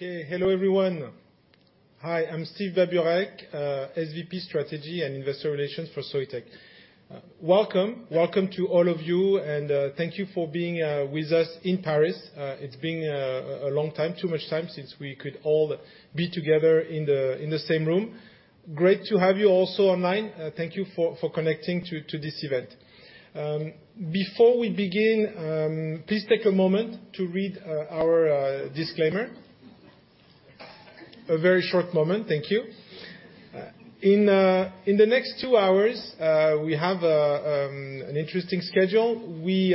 Okay. Hello, everyone. Hi, I'm Steve Babureck, SVP Strategy and Investor Relations for Soitec. Welcome to all of you, and thank you for being with us in Paris. It's been a long time, too much time since we could all be together in the same room. Great to have you also online. Thank you for connecting to this event. Before we begin, please take a moment to read our disclaimer. A very short moment. Thank you. In the next two hours, we have an interesting schedule. We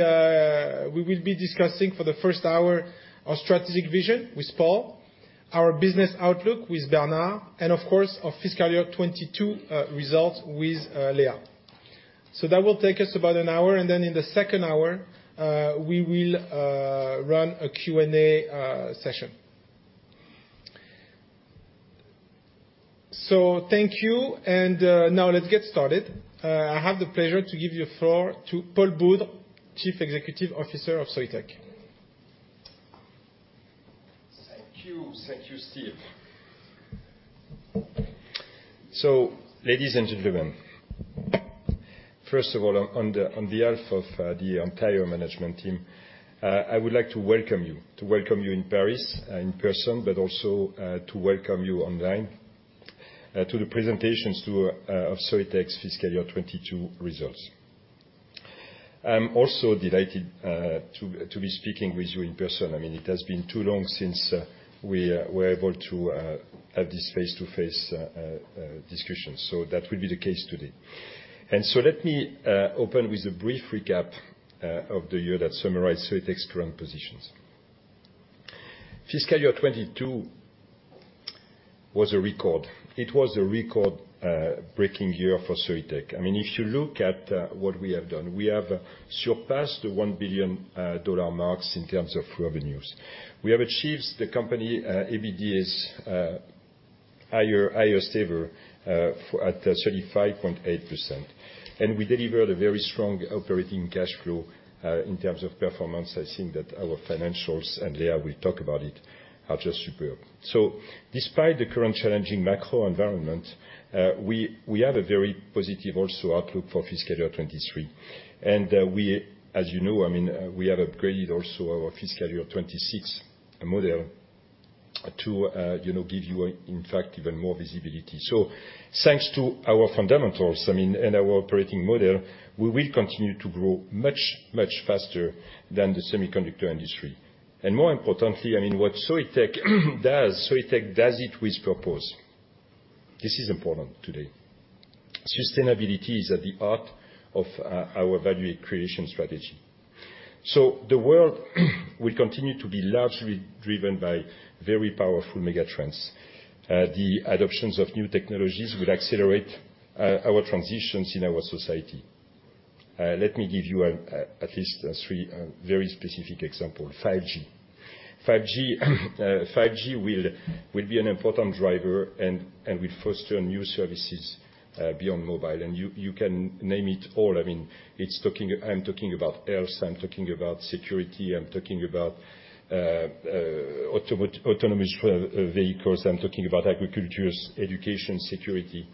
will be discussing for the first hour our strategic vision with Paul, our business outlook with Bernard, and of course, our fiscal year 2022 results with Léa. That will take us about an hour, and then in the second hour, we will run a Q&A session. Thank you, and now let's get started. I have the pleasure to give the floor to Paul Boudre, Chief Executive Officer of Soitec. Thank you. Thank you, Steve. Ladies and gentlemen, first of all, on the behalf of the entire management team, I would like to welcome you in Paris in person, but also to welcome you online to the presentations of Soitec's fiscal year 2022 results. I'm also delighted to be speaking with you in person. I mean, it has been too long since we were able to have this face-to-face discussion, so that will be the case today. Let me open with a brief recap of the year that summarized Soitec's current positions. Fiscal year 2022 was a record. It was a record breaking year for Soitec. I mean, if you look at what we have done, we have surpassed the $1 billion marks in terms of revenues. We have achieved the company's highest ever EBITDA at 35.8%, and we delivered a very strong operating cash flow. In terms of performance, I think that our financials, and Léa will talk about it, are just superb. Despite the current challenging macro environment, we have a very positive outlook for fiscal year 2023. We, as you know, I mean, we have upgraded our fiscal year 2026 model to give you, in fact, even more visibility. Thanks to our fundamentals, I mean, and our operating model, we will continue to grow much faster than the semiconductor industry. More importantly, I mean, what Soitec does, Soitec does it with purpose. This is important today. Sustainability is at the heart of our value creation strategy. The world will continue to be largely driven by very powerful mega trends. The adoptions of new technologies will accelerate our transitions in our society. Let me give you an at least three very specific example. 5G. 5G will be an important driver and will foster new services beyond mobile. You can name it all. I mean, I'm talking about health, I'm talking about security, I'm talking about autonomous vehicles, I'm talking about agriculture, education, security.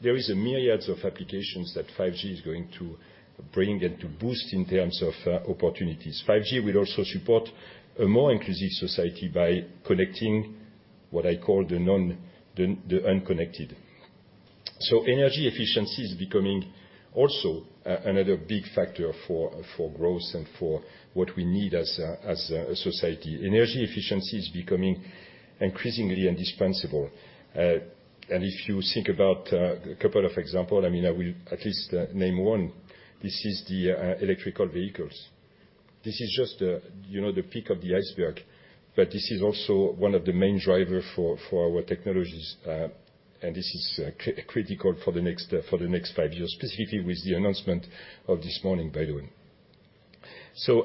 There is a myriads of applications that 5G is going to bring and to boost in terms of opportunities. 5G will also support a more inclusive society by connecting what I call the unconnected. Energy efficiency is becoming also another big factor for growth and for what we need as a society. Energy efficiency is becoming increasingly indispensable. If you think about a couple of examples, I mean, I will at least name one. This is the electric vehicles. This is just, you know, the tip of the iceberg, but this is also one of the main driver for our technologies. This is critical for the next five years, specifically with the announcement of this morning, by the way.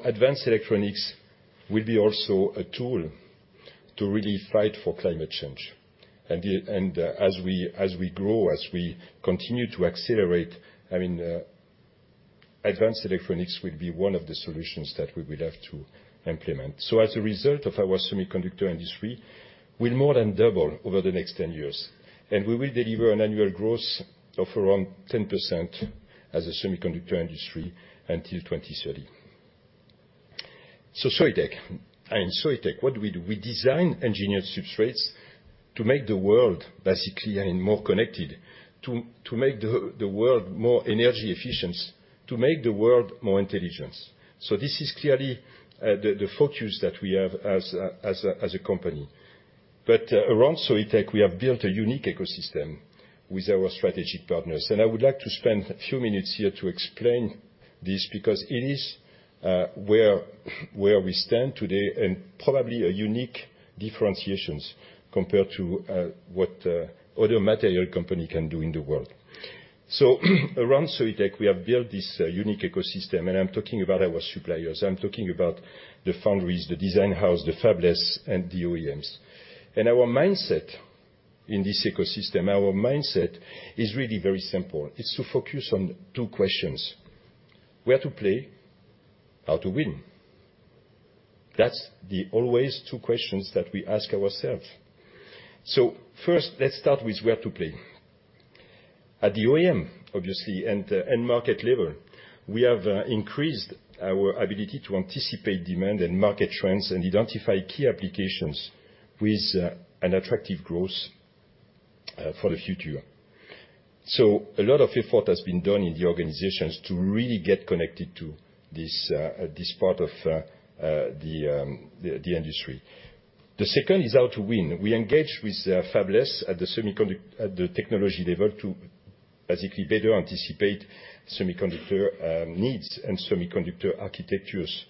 Advanced electronics will be also a tool to really fight for climate change. As we grow, as we continue to accelerate, I mean, advanced electronics will be one of the solutions that we will have to implement. As a result of our semiconductor industry, we'll more than double over the next 10 years, and we will deliver an annual growth of around 10% as a semiconductor industry until 2030. Soitec. Soitec, what do we do? We design engineer substrates to make the world basically and more connected, to make the world more energy efficient, to make the world more intelligent. This is clearly the focus that we have as a company. Around Soitec, we have built a unique ecosystem with our strategic partners. I would like to spend a few minutes here to explain this because it is where we stand today and probably a unique differentiation compared to what other material company can do in the world. Around Soitec, we have built this unique ecosystem, and I'm talking about our suppliers, I'm talking about the foundries, the design house, the fabless, and the OEMs. Our mindset in this ecosystem, our mindset is really very simple. It's to focus on two questions. Where to play? How to win? That's always the two questions that we ask ourselves. First, let's start with where to play. At the OEM, obviously, and the end market level, we have increased our ability to anticipate demand and market trends and identify key applications with an attractive growth for the future. A lot of effort has been done in the organizations to really get connected to this part of the industry. The second is how to win. We engage with fabless at the technology level to basically better anticipate semiconductor needs and semiconductor architectures.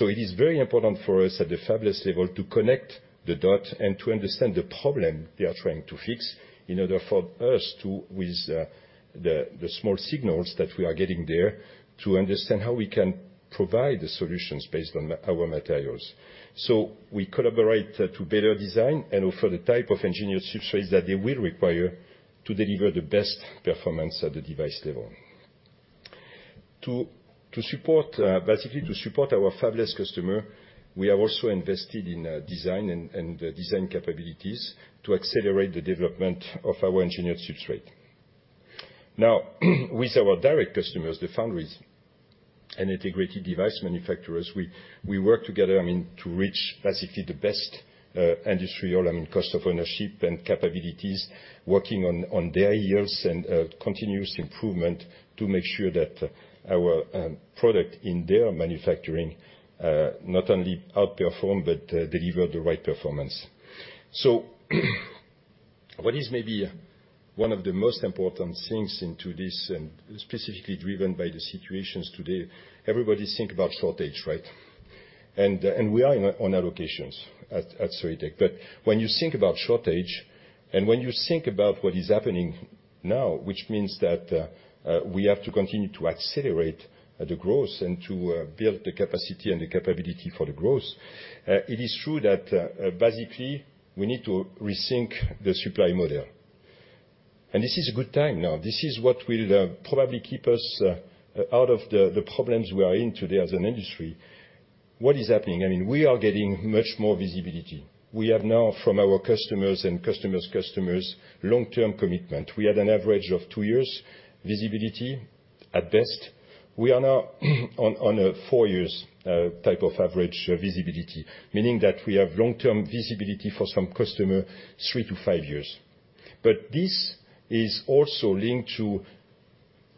It is very important for us at the fabless level to connect the dots and to understand the problem they are trying to fix, in order for us to, with the small signals that we are getting there, to understand how we can provide the solutions based on our materials. We collaborate to better design and offer the type of engineered substrates that they will require to deliver the best performance at the device level. To support our fabless customer, basically, we have also invested in design and design capabilities to accelerate the development of our engineered substrate. Now, with our direct customers, the foundries and integrated device manufacturers, we work together, I mean, to reach basically the best industry-low, I mean, cost of ownership and capabilities, working on their yields and continuous improvement to make sure that our product in their manufacturing not only outperform, but deliver the right performance. What is maybe one of the most important things into this and specifically driven by the situations today, everybody think about shortage, right? We are on allocations at Soitec. When you think about shortage, and when you think about what is happening now, which means that we have to continue to accelerate the growth and to build the capacity and the capability for the growth, it is true that basically we need to rethink the supply model. This is a good time now. This is what will probably keep us out of the problems we are in today as an industry. What is happening? I mean, we are getting much more visibility. We have now from our customers and customers' customers long-term commitment. We had an average of two years visibility at best. We are now on a four years type of average visibility, meaning that we have long-term visibility for some customer three to five years. This is also linked to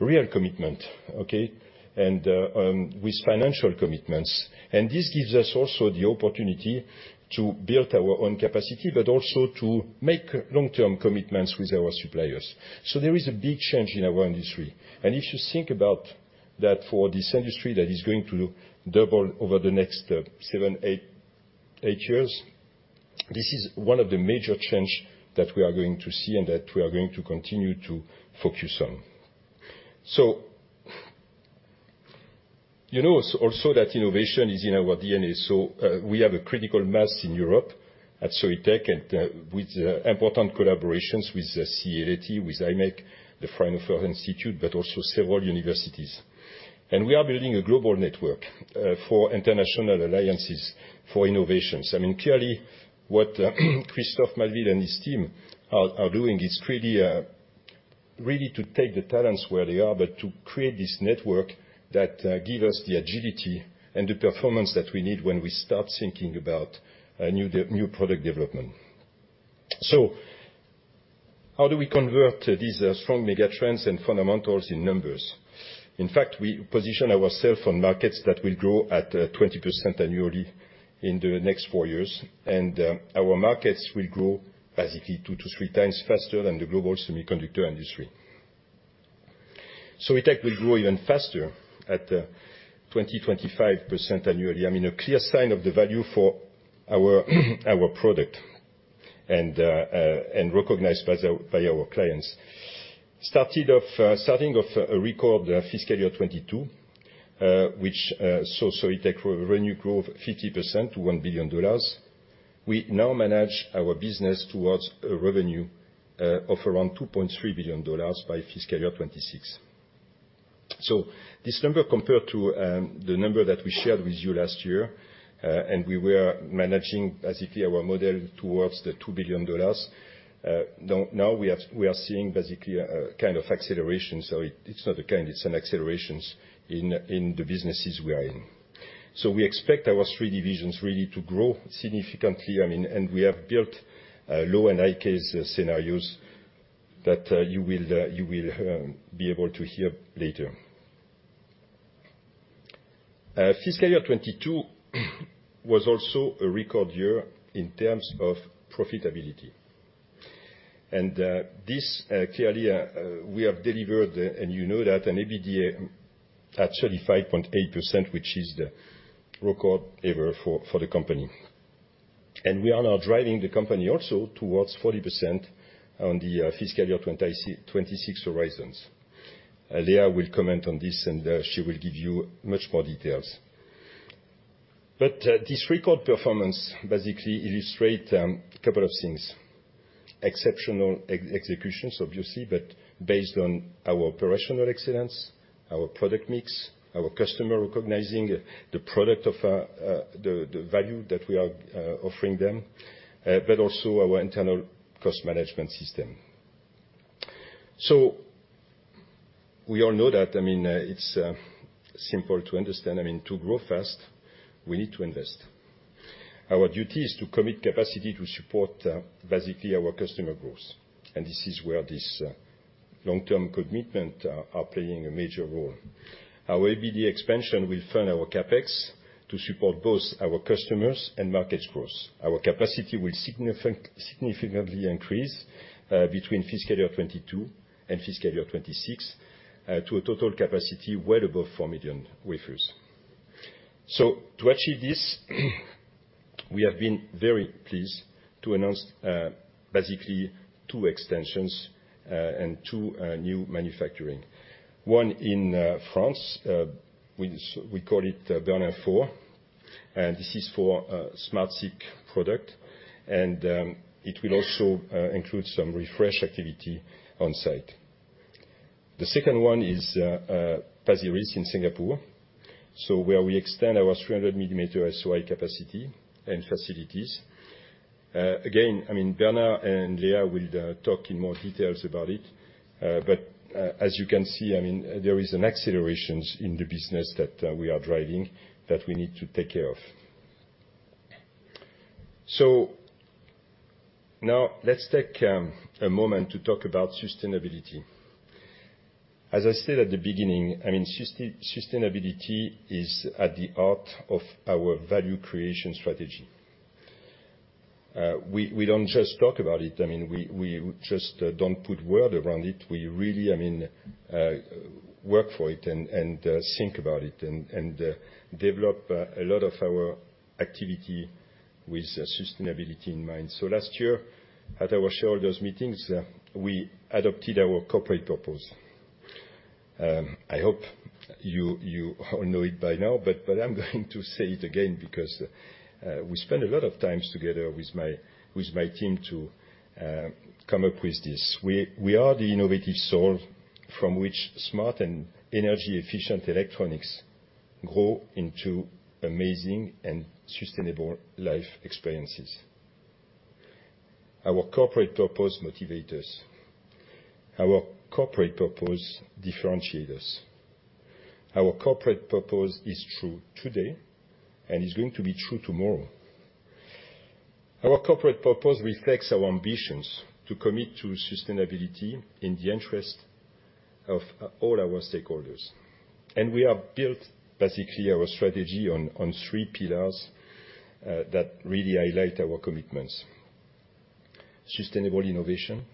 real commitment, okay? With financial commitments. This gives us also the opportunity to build our own capacity, but also to make long-term commitments with our suppliers. There is a big change in our industry. If you think about that for this industry that is going to double over the next eight years, this is one of the major change that we are going to see and that we are going to continue to focus on. You know also that innovation is in our DNA, so we have a critical mass in Europe at Soitec and with important collaborations with CEA-Leti, with imec, the Fraunhofer Institute, but also several universities. We are building a global network for international alliances for innovations. I mean, clearly, what Christophe Maleville and his team are doing is really to take the talents where they are, but to create this network that give us the agility and the performance that we need when we start thinking about a new product development. How do we convert these strong megatrends and fundamentals in numbers? In fact, we position ourselves on markets that will grow at 20% annually in the next four years, and our markets will grow basically 2x-3x faster than the global semiconductor industry. Soitec will grow even faster at 20%-25% annually. I mean, a clear sign of the value for our product, and recognized by our clients. Start of a record fiscal year 2022, which saw Soitec revenue grow 50% to $1 billion. We now manage our business towards a revenue of around $2.3 billion by fiscal year 2026. This number compared to the number that we shared with you last year, and we were managing basically our model towards the $2 billion, now we are seeing basically a kind of acceleration. It’s not a kind, it’s an acceleration in the businesses we are in. We expect our three divisions really to grow significantly, I mean, and we have built low and high case scenarios that you will be able to hear later. Fiscal year 2022 was also a record year in terms of profitability. This clearly we have delivered, and you know that, an EBITDA at 35.8%, which is the record ever for the company. We are now driving the company also towards 40% on the fiscal year 2026 horizon. Léa will comment on this, and she will give you much more details. This record performance basically illustrates a couple of things. Exceptional execution, obviously, but based on our operational excellence, our product mix, our customer recognizing the product of the value that we are offering them, but also our internal cost management system. We all know that, I mean, it's simple to understand. I mean, to grow fast, we need to invest. Our duty is to commit capacity to support basically our customer growth, and this is where this long-term commitment are playing a major role. Our ABT expansion will fund our CapEx to support both our customers and markets growth. Our capacity will significantly increase between fiscal year 2022 and fiscal year 2026 to a total capacity well above 4 million wafers. To achieve this, we have been very pleased to announce basically two extensions and two new manufacturing. One in France, we call it Bernin 4, and this is for SmartSiC product, and it will also include some refresh activity on-site. The second one is Pasir Ris in Singapore, so where we extend our 300 mm SOI capacity and facilities. Again, I mean, Bernard and Léa will talk in more details about it, but as you can see, I mean, there is an acceleration in the business that we are driving that we need to take care of. Now let's take a moment to talk about sustainability. As I said at the beginning, I mean, sustainability is at the heart of our value creation strategy. We don't just talk about it. I mean, we just don't put words around it. We really, I mean, work for it and think about it and develop a lot of our activity with sustainability in mind. Last year, at our shareholders meeting, we adopted our corporate purpose. I hope you all know it by now, but I'm going to say it again because we spent a lot of times together with my team to come up with this. We are the innovative soul from which smart and energy-efficient electronics grow into amazing and sustainable life experiences. Our corporate purpose motivate us. Our corporate purpose differentiate us. Our corporate purpose is true today and is going to be true tomorrow. Our corporate purpose reflects our ambitions to commit to sustainability in the interest of all our stakeholders. We have built basically our strategy on three pillars that really highlight our commitments: sustainable innovation,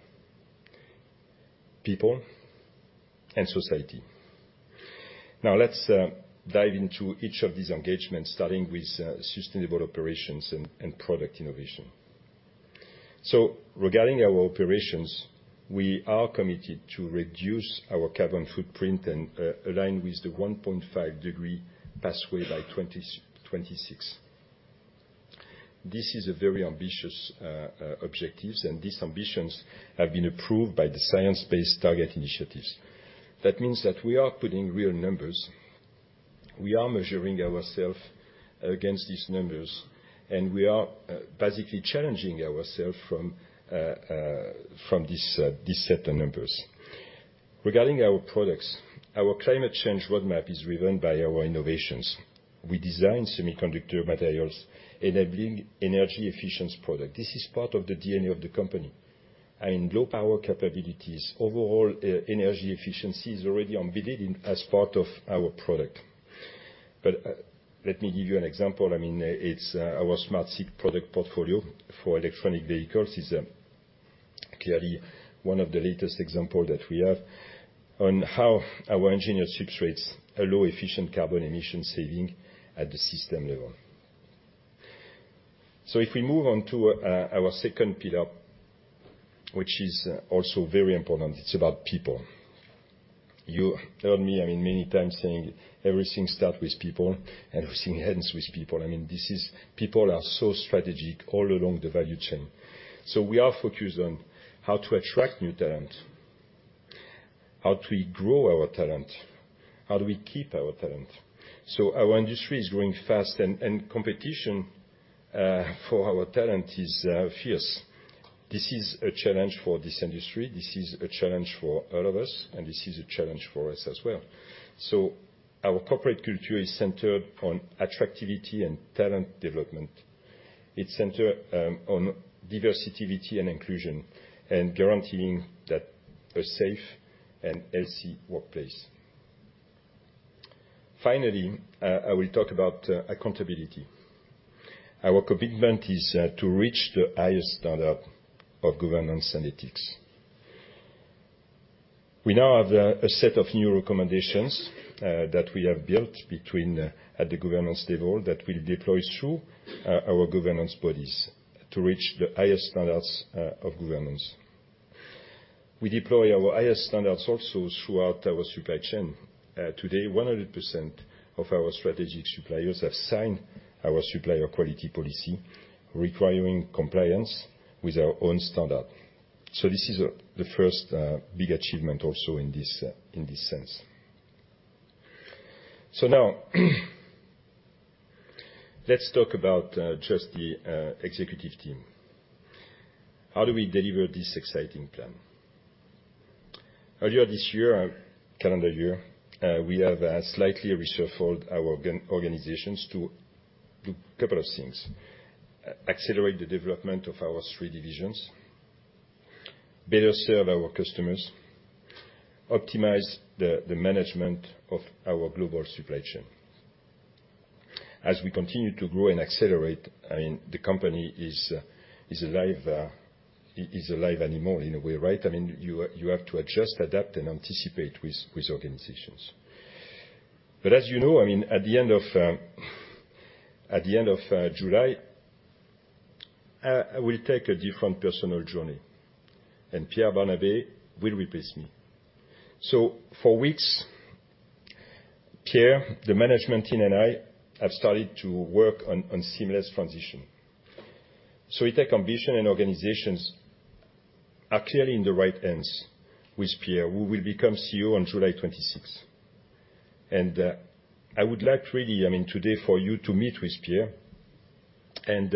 people, and society. Now let's dive into each of these engagements, starting with sustainable operations and product innovation. Regarding our operations, we are committed to reduce our carbon footprint and align with the 1.5 degree pathway by 2026. This is a very ambitious objectives, and these ambitions have been approved by the Science-Based Targets initiative. That means that we are putting real numbers, we are measuring ourselves against these numbers, and we are basically challenging ourselves from this set of numbers. Regarding our products, our climate change roadmap is driven by our innovations. We design semiconductor materials enabling energy efficiency product. This is part of the DNA of the company, and low power capabilities, overall, energy efficiency is already embedded in, as part of our product. Let me give you an example. I mean, it's our SmartSiC product portfolio for electric vehicles is clearly one of the latest example that we have on how our engineered substrates allow efficient carbon emission saving at the system level. If we move on to our second pillar, which is also very important, it's about people. You heard me, I mean, many times saying everything start with people and everything ends with people. I mean, this is. People are so strategic all along the value chain. We are focused on how to attract new talent, how do we grow our talent? How do we keep our talent? Our industry is growing fast and competition for our talent is fierce. This is a challenge for this industry. This is a challenge for all of us, and this is a challenge for us as well. Our corporate culture is centered on attractivity and talent development. It's centered on diversity and inclusion and guaranteeing that a safe and healthy workplace. Finally, I will talk about accountability. Our commitment is to reach the highest standard of governance and ethics. We now have a set of new recommendations that we have built at the governance level that we'll deploy through our governance bodies to reach the highest standards of governance. We deploy our highest standards also throughout our supply chain. Today 100% of our strategic suppliers have signed our supplier quality policy requiring compliance with our own standard. This is the first big achievement also in this sense. Now let's talk about just the executive team. How do we deliver this exciting plan? Earlier this year, calendar year, we have slightly reshuffled our organizations to do a couple of things, accelerate the development of our three divisions, better serve our customers, optimize the management of our global supply chain. As we continue to grow and accelerate, I mean, the company is alive animal in a way, right? I mean, you have to adjust, adapt, and anticipate with organizations. As you know, I mean, at the end of July, I will take a different personal journey, and Pierre Barnabé will replace me. For weeks, Pierre, the management team, and I have started to work on seamless transition. It is our ambition and organizations are clearly in the right hands with Pierre, who will become CEO on July 26th. I would like really, I mean, today for you to meet with Pierre, and,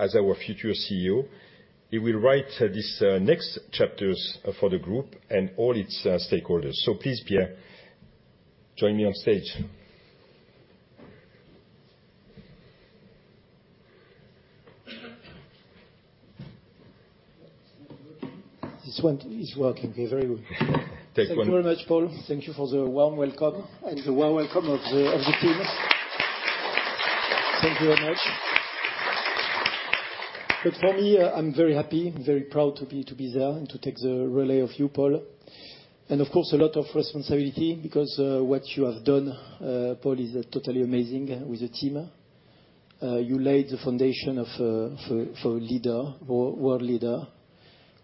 as our future CEO, he will write this, next chapters for the group and all its, stakeholders. Please, Pierre, join me on stage. This one is working very well. Take one. Thank you very much, Paul. Thank you for the warm welcome of the team. Thank you very much. For me, I'm very happy and very proud to be there and to take the relay of you, Paul. Of course, a lot of responsibility because what you have done, Paul, is totally amazing with the team. You laid the foundation for world leader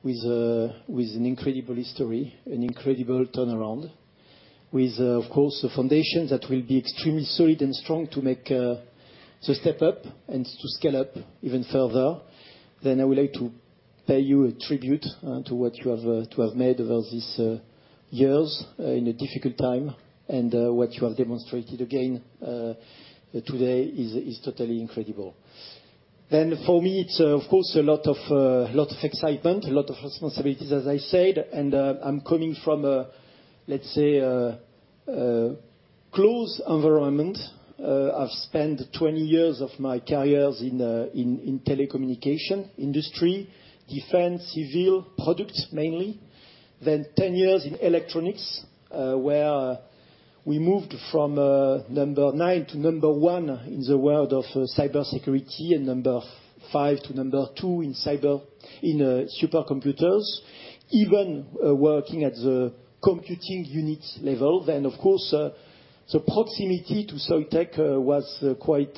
with an incredible history, an incredible turnaround with, of course, a foundation that will be extremely solid and strong to make the step up and to scale up even further. I would like to pay you a tribute to what you have to have made over these years in a difficult time and what you have demonstrated again today is totally incredible. For me, it's of course a lot of excitement, a lot of responsibilities, as I said. I'm coming from a, let's say, close environment. I've spent 20 years of my careers in telecommunication industry, defense, civil product mainly, then 10 years in electronics, where we moved from number nine to number one in the world of cybersecurity and number five to number two in cyber in supercomputers, even working at the computing unit level. Of course, the proximity to Soitec was quite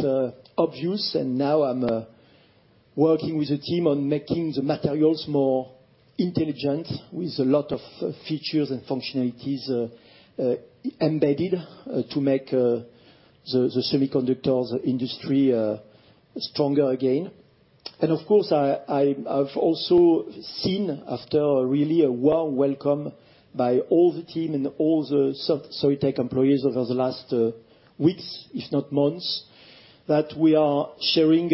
obvious. Now I'm working with the team on making the materials more intelligent with a lot of features and functionalities embedded to make the semiconductors industry stronger again. Of course, I've also seen after really a warm welcome by all the team and all the Soitec employees over the last weeks, if not months, that we are sharing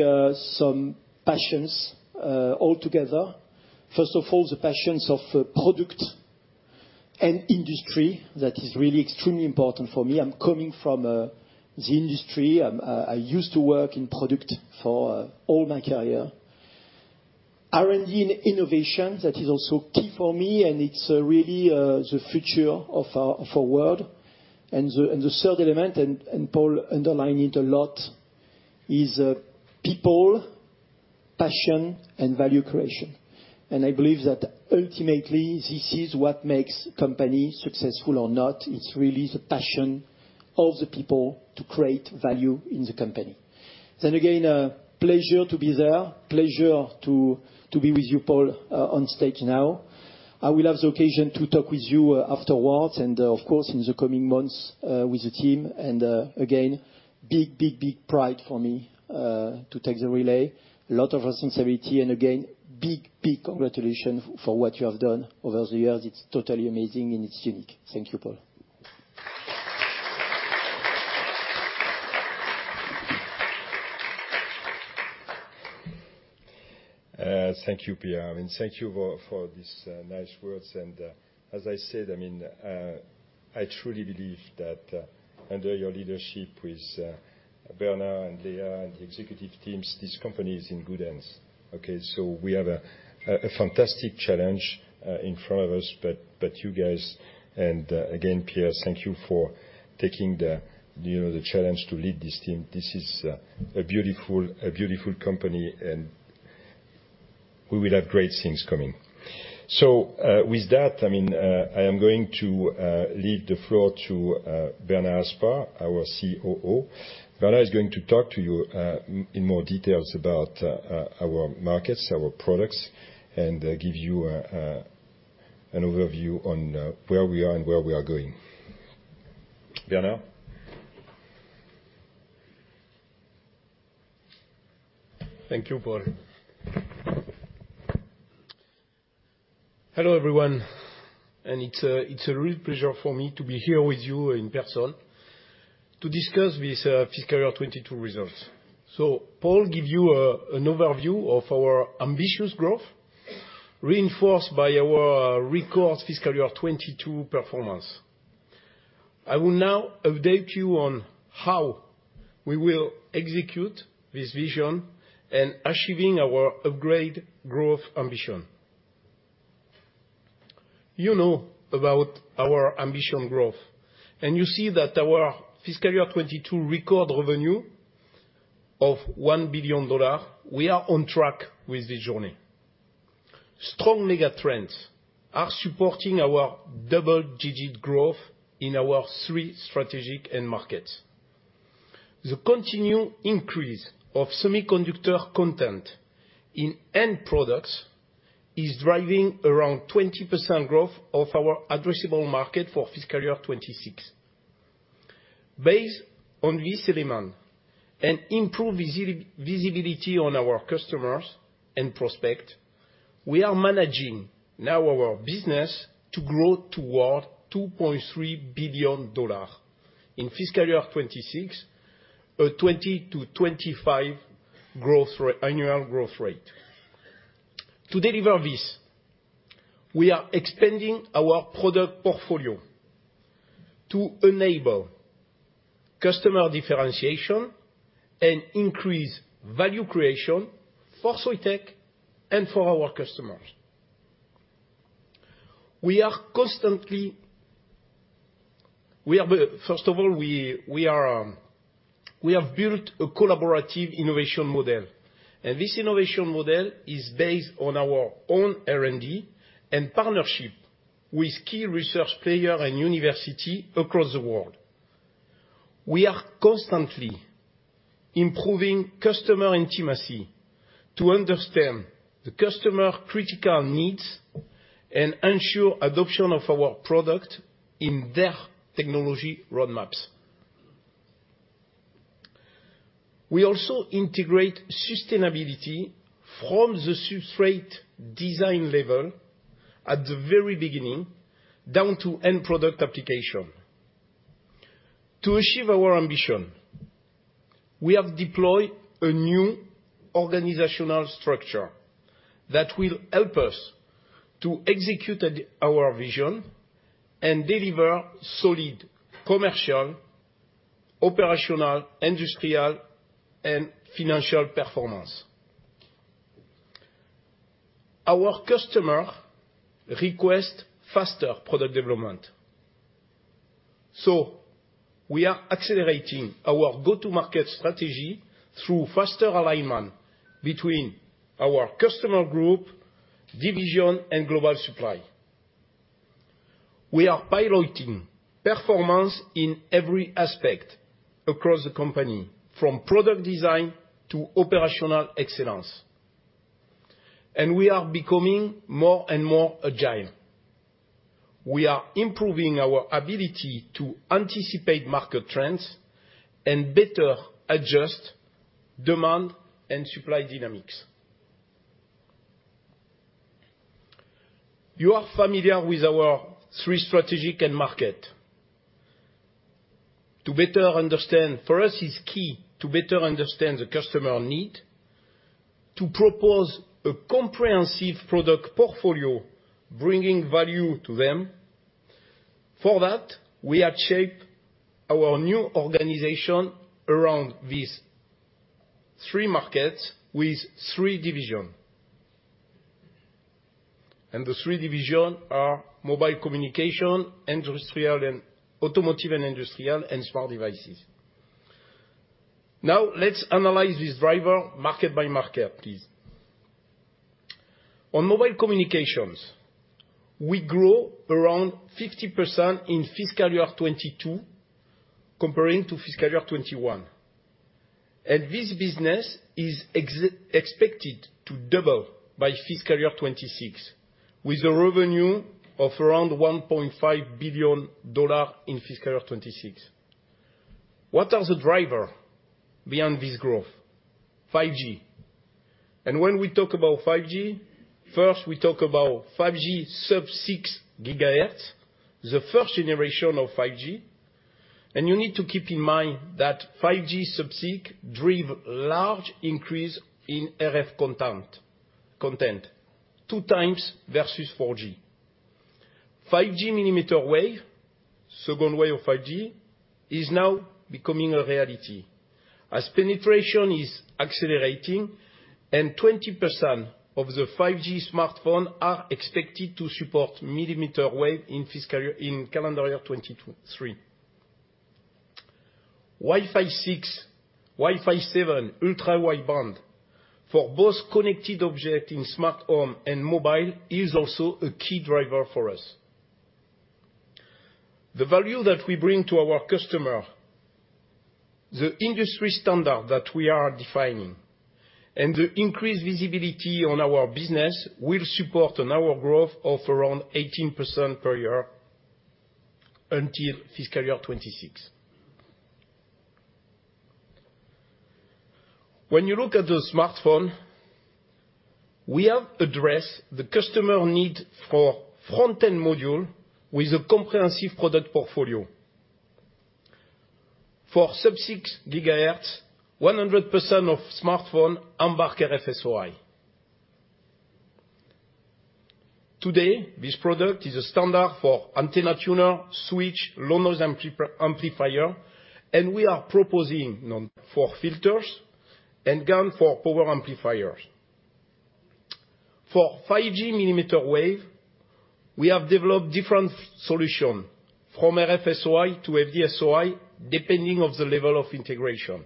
some passions all together. First of all, the passions of product and industry. That is really extremely important for me. I'm coming from the industry. I used to work in product for all my career. R&D and innovation, that is also key for me, and it's really the future of our world. The third element, and Paul underlined it a lot, is people, passion and value creation. I believe that ultimately this is what makes company successful or not. It's really the passion of the people to create value in the company. Again, a pleasure to be there, a pleasure to be with you, Paul, on stage now. I will have the occasion to talk with you afterwards and of course, in the coming months, with the team and, again, big pride for me, to take the relay. A lot of sensitivity and again, big congratulations for what you have done over the years. It's totally amazing and it's unique. Thank you, Paul. Thank you, Pierre. I mean, thank you for these nice words. As I said, I mean, I truly believe that under your leadership with Bernard and Léa and the executive teams, this company is in good hands, okay? We have a fantastic challenge in front of us, but you guys and again, Pierre, thank you for taking you know, the challenge to lead this team. This is a beautiful company, and we will have great things coming. With that, I mean, I am going to leave the floor to Bernard Aspar, our COO. Bernard is going to talk to you in more details about our markets, our products, and give you an overview on where we are and where we are going. Bernard? Thank you, Paul. Hello, everyone, and it's a real pleasure for me to be here with you in person to discuss these fiscal year 2022 results. Paul gave you an overview of our ambitious growth reinforced by our record fiscal year 2022 performance. I will now update you on how we will execute this vision and achieving our upgraded growth ambition. You know about our ambitious growth, and you see that our fiscal year 2022 record revenue of $1 billion, we are on track with this journey. Strong megatrends are supporting our double-digit growth in our three strategic end markets. The continued increase of semiconductor content in end products is driving around 20% growth of our addressable market for fiscal year 2026. Based on this demand and improved visibility on our customers and prospects, we are managing now our business to grow toward $2.3 billion in fiscal year 2026, a 20%-25% growth rate, annual growth rate. To deliver this, we are expanding our product portfolio to enable customer differentiation and increase value creation for Soitec and for our customers. We have built a collaborative innovation model, and this innovation model is based on our own R&D and partnership with key research players and universities across the world. We are constantly improving customer intimacy to understand the customers' critical needs and ensure adoption of our products in their technology roadmaps. We also integrate sustainability from the substrate design level at the very beginning down to end product application. To achieve our ambition, we have deployed a new organizational structure that will help us to execute on our vision and deliver solid commercial, operational, industrial, and financial performance. Our customers request faster product development, so we are accelerating our go-to-market strategy through faster alignment between our customer group, division, and global supply. We are prioritizing performance in every aspect across the company from product design to operational excellence, and we are becoming more and more agile. We are improving our ability to anticipate market trends and better adjust demand and supply dynamics. You are familiar with our three strategic end-markets. To better understand them is key for us to better understand the customer needs to propose a comprehensive product portfolio bringing value to them. For that, we have shaped our new organization around these three markets with three divisions. The three divisions are mobile communications, automotive and industrial, and smart devices. Now let's analyze this driver market by market, please. On mobile communications, we grow around 50% in fiscal year 2022 comparing to fiscal year 2021. This business is expected to double by fiscal year 2026, with a revenue of around $1.5 billion in fiscal year 2026. What are the driver behind this growth? 5G. When we talk about 5G, first we talk about 5G sub-six gigahertz, the first generation of 5G. You need to keep in mind that 5G sub-six drive large increase in RF content 2x versus 4G. 5G mm wave, second wave of 5G, is now becoming a reality as penetration is accelerating and 20% of the 5G smartphone are expected to support millimeter wave in calendar year 2022, 2023. Wi-Fi 6, Wi-Fi 7 ultra-wideband for both connected object in smartphone and mobile is also a key driver for us. The value that we bring to our customer. The industry standard that we are defining and the increased visibility on our business will support our growth of around 18% per year until fiscal year 2026. When you look at the smartphone, we have addressed the customer need for front-end module with a comprehensive product portfolio. For sub-six gigahertz, 100% of smartphone embark RF-SOI. Today, this product is a standard for antenna tuner, switch, low-noise amplifier, and we are proposing for filters and GaN for power amplifiers. For 5G mm wave, we have developed different solution from RF-SOI to FD-SOI, depending on the level of integration.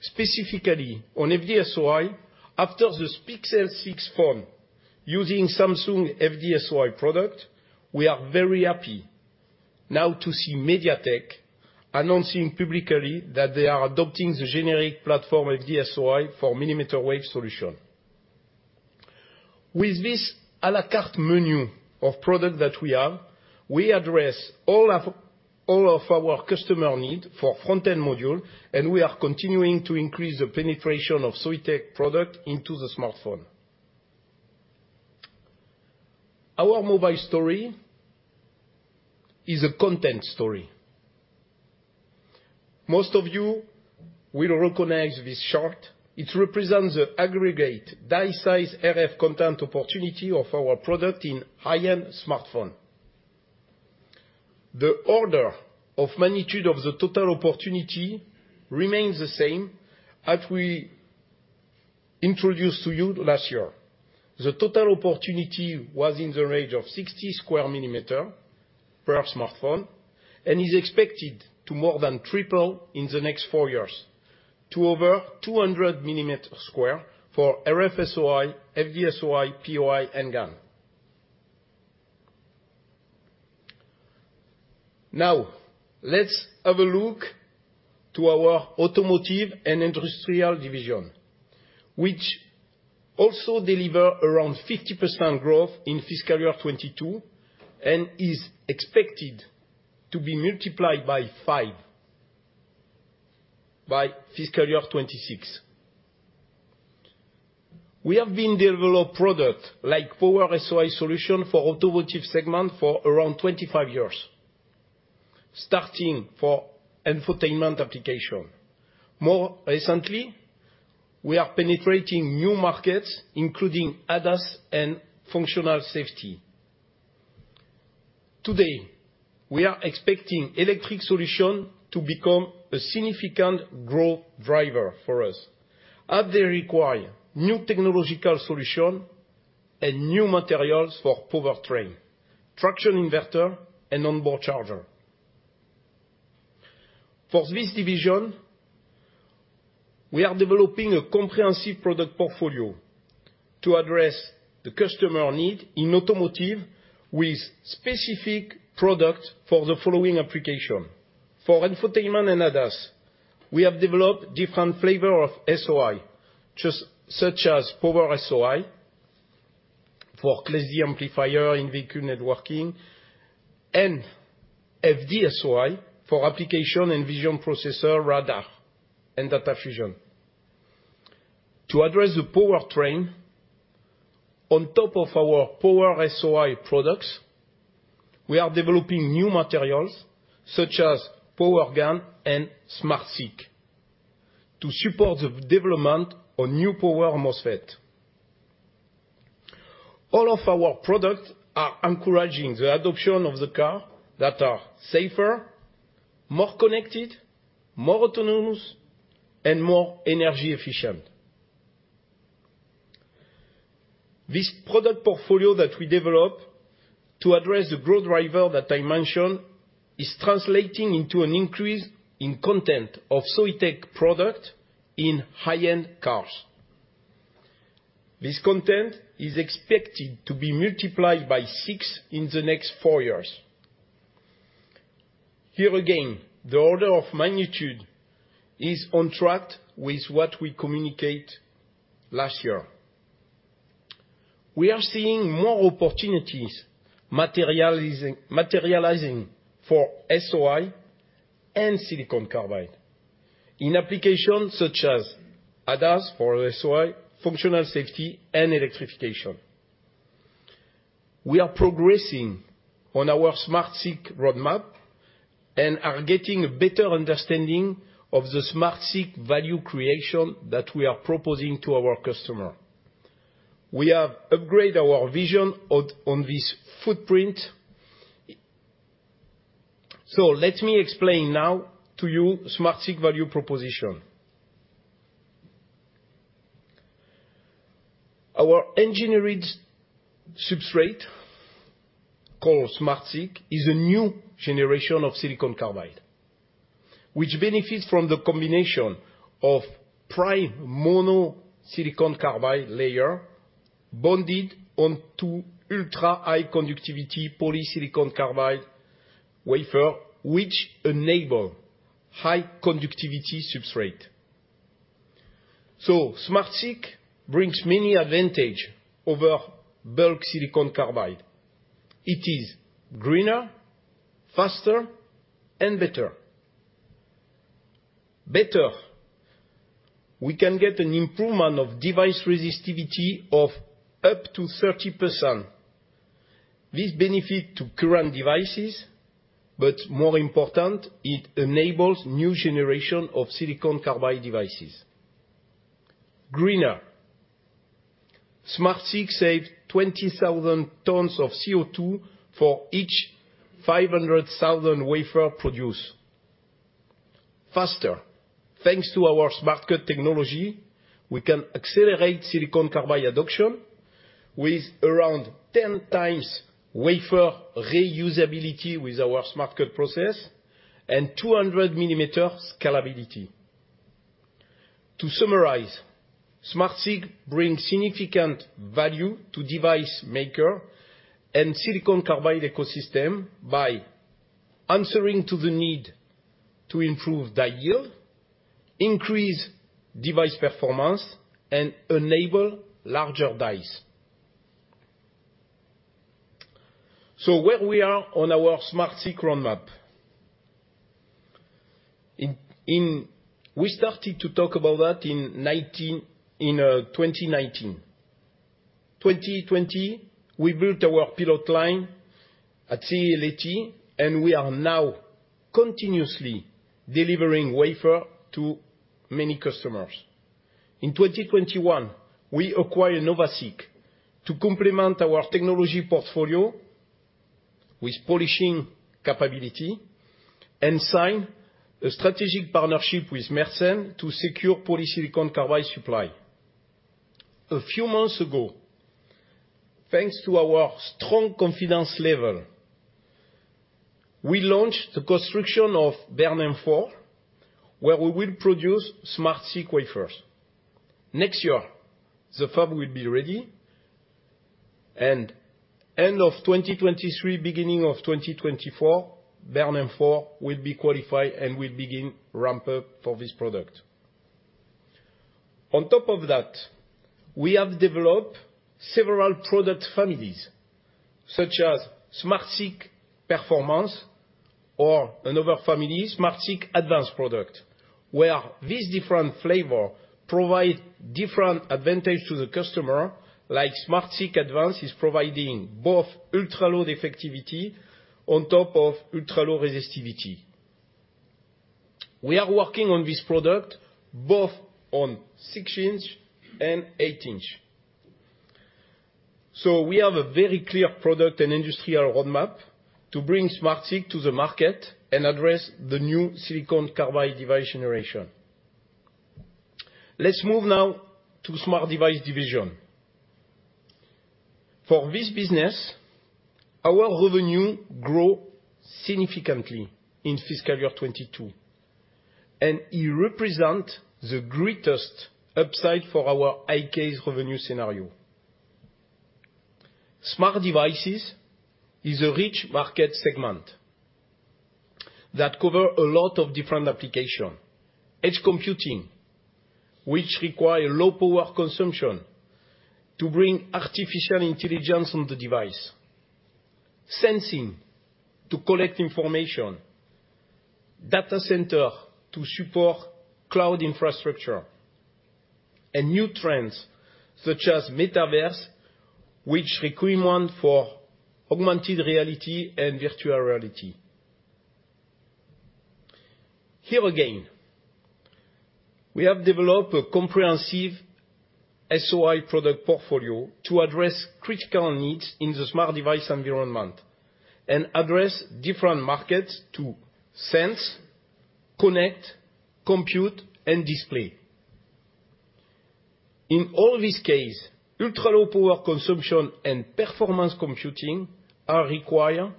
Specifically, on FD-SOI, after this Pixel 6 phone using Samsung FD-SOI product, we are very happy now to see MediaTek announcing publicly that they are adopting the generic platform FD-SOI for millimeter wave solution. With this à la carte menu of products that we have, we address all of our customer need for front-end module, and we are continuing to increase the penetration of Soitec product into the smartphone. Our mobile story is a content story. Most of you will recognize this chart. It represents the aggregate die-size RF content opportunity of our product in high-end smartphone. The order of magnitude of the total opportunity remains the same as we introduced to you last year. The total opportunity was in the range of 60 sq mm per smartphone and is expected to more than triple in the next four years to over 200 sq mm for RF-SOI, FD-SOI, POI, and GaN. Now, let's have a look at our automotive and industrial division, which also deliver around 50% growth in fiscal year 2022 and is expected to be multiplied by five by fiscal year 2026. We have been develop product like Power-SOI solution for automotive segment for around 25 years, starting for infotainment application. More recently, we are penetrating new markets, including ADAS and functional safety. Today, we are expecting electric solution to become a significant growth driver for us as they require new technological solution and new materials for powertrain, traction inverter, and onboard charger. For this division, we are developing a comprehensive product portfolio to address the customer need in automotive with specific product for the following application. For infotainment and ADAS, we have developed different flavor of SOI, just such as Power-SOI for class D amplifier in-vehicle networking and FD-SOI for application and vision processor radar and data fusion. To address the powertrain, on top of our Power-SOI products, we are developing new materials such as Power-GaN and SmartSiC to support the development of new power MOSFET. All of our products are encouraging the adoption of the car that are safer, more connected, more autonomous, and more energy efficient. This product portfolio that we develop to address the growth driver that I mentioned is translating into an increase in content of Soitec product in high-end cars. This content is expected to be multiplied by six in the next four years. Here again, the order of magnitude is on track with what we communicate last year. We are seeing more opportunities materializing for SOI and silicon carbide in applications such as ADAS for SOI, functional safety, and electrification. We are progressing on our SmartSiC roadmap and are getting a better understanding of the SmartSiC value creation that we are proposing to our customer. We have upgrade our vision on this footprint. Let me explain now to you SmartSiC value proposition. Our engineered substrate called SmartSiC is a new generation of silicon carbide, which benefits from the combination of prime mono silicon carbide layer bonded onto ultra-high conductivity polysilicon carbide wafer, which enable high conductivity substrate. SmartSiC brings many advantages over bulk silicon carbide. It is greener, faster, and better. Better, we can get an improvement of device resistivity of up to 30%. This benefit to current devices, but more important, it enables new generation of silicon carbide devices. Greener. SmartSiC saves 20,000 tons of CO2 for each 500,000 wafer produced. Faster. Thanks to our Smart Cut technology, we can accelerate silicon carbide adoption with around 10x wafer reusability with our Smart Cut process and 200 mm scalability. To summarize, SmartSiC brings significant value to device maker and silicon carbide ecosystem by answering to the need to improve die yield, increase device performance, and enable larger dies. Where we are on our SmartSiC roadmap. We started to talk about that in 2019. 2020, we built our pilot line at CEA-Leti, and we are now continuously delivering wafer to many customers. In 2021, we acquired NOVASiC to complement our technology portfolio with polishing capability and sign a strategic partnership with Mersen to secure polysilicon carbide supply. A few months ago, thanks to our strong confidence level, we launched the construction of Bernin 4, where we will produce SmartSiC wafers. Next year, the fab will be ready, and end of 2023, beginning of 2024, Bernin 4 will be qualified and will begin ramp-up for this product. On top of that, we have developed several product families, such as SmartSiC-Performance or another family, SmartSiC Advanced product, where this different flavor provide different advantage to the customer, like SmartSiC Advanced is providing both ultra-low defectivity on top of ultra-low resistivity. We are working on this product both on 6 in and 8 in. We have a very clear product and industrial roadmap to bring SmartSiC to the market and address the new silicon carbide device generation. Let's move now to Smart Device Division. For this business, our revenue grow significantly in fiscal year 2022, and it represent the greatest upside for our high case revenue scenario. Smart Devices is a rich market segment that cover a lot of different application. Edge computing, which require low power consumption to bring artificial intelligence on the device. Sensing to collect information. Data center to support cloud infrastructure. New trends such as metaverse, which requirement for augmented reality and virtual reality. Here again, we have developed a comprehensive SOI product portfolio to address critical needs in the smart device environment and address different markets to sense, connect, compute, and display. In all these cases, ultra-low power consumption and performance computing are required,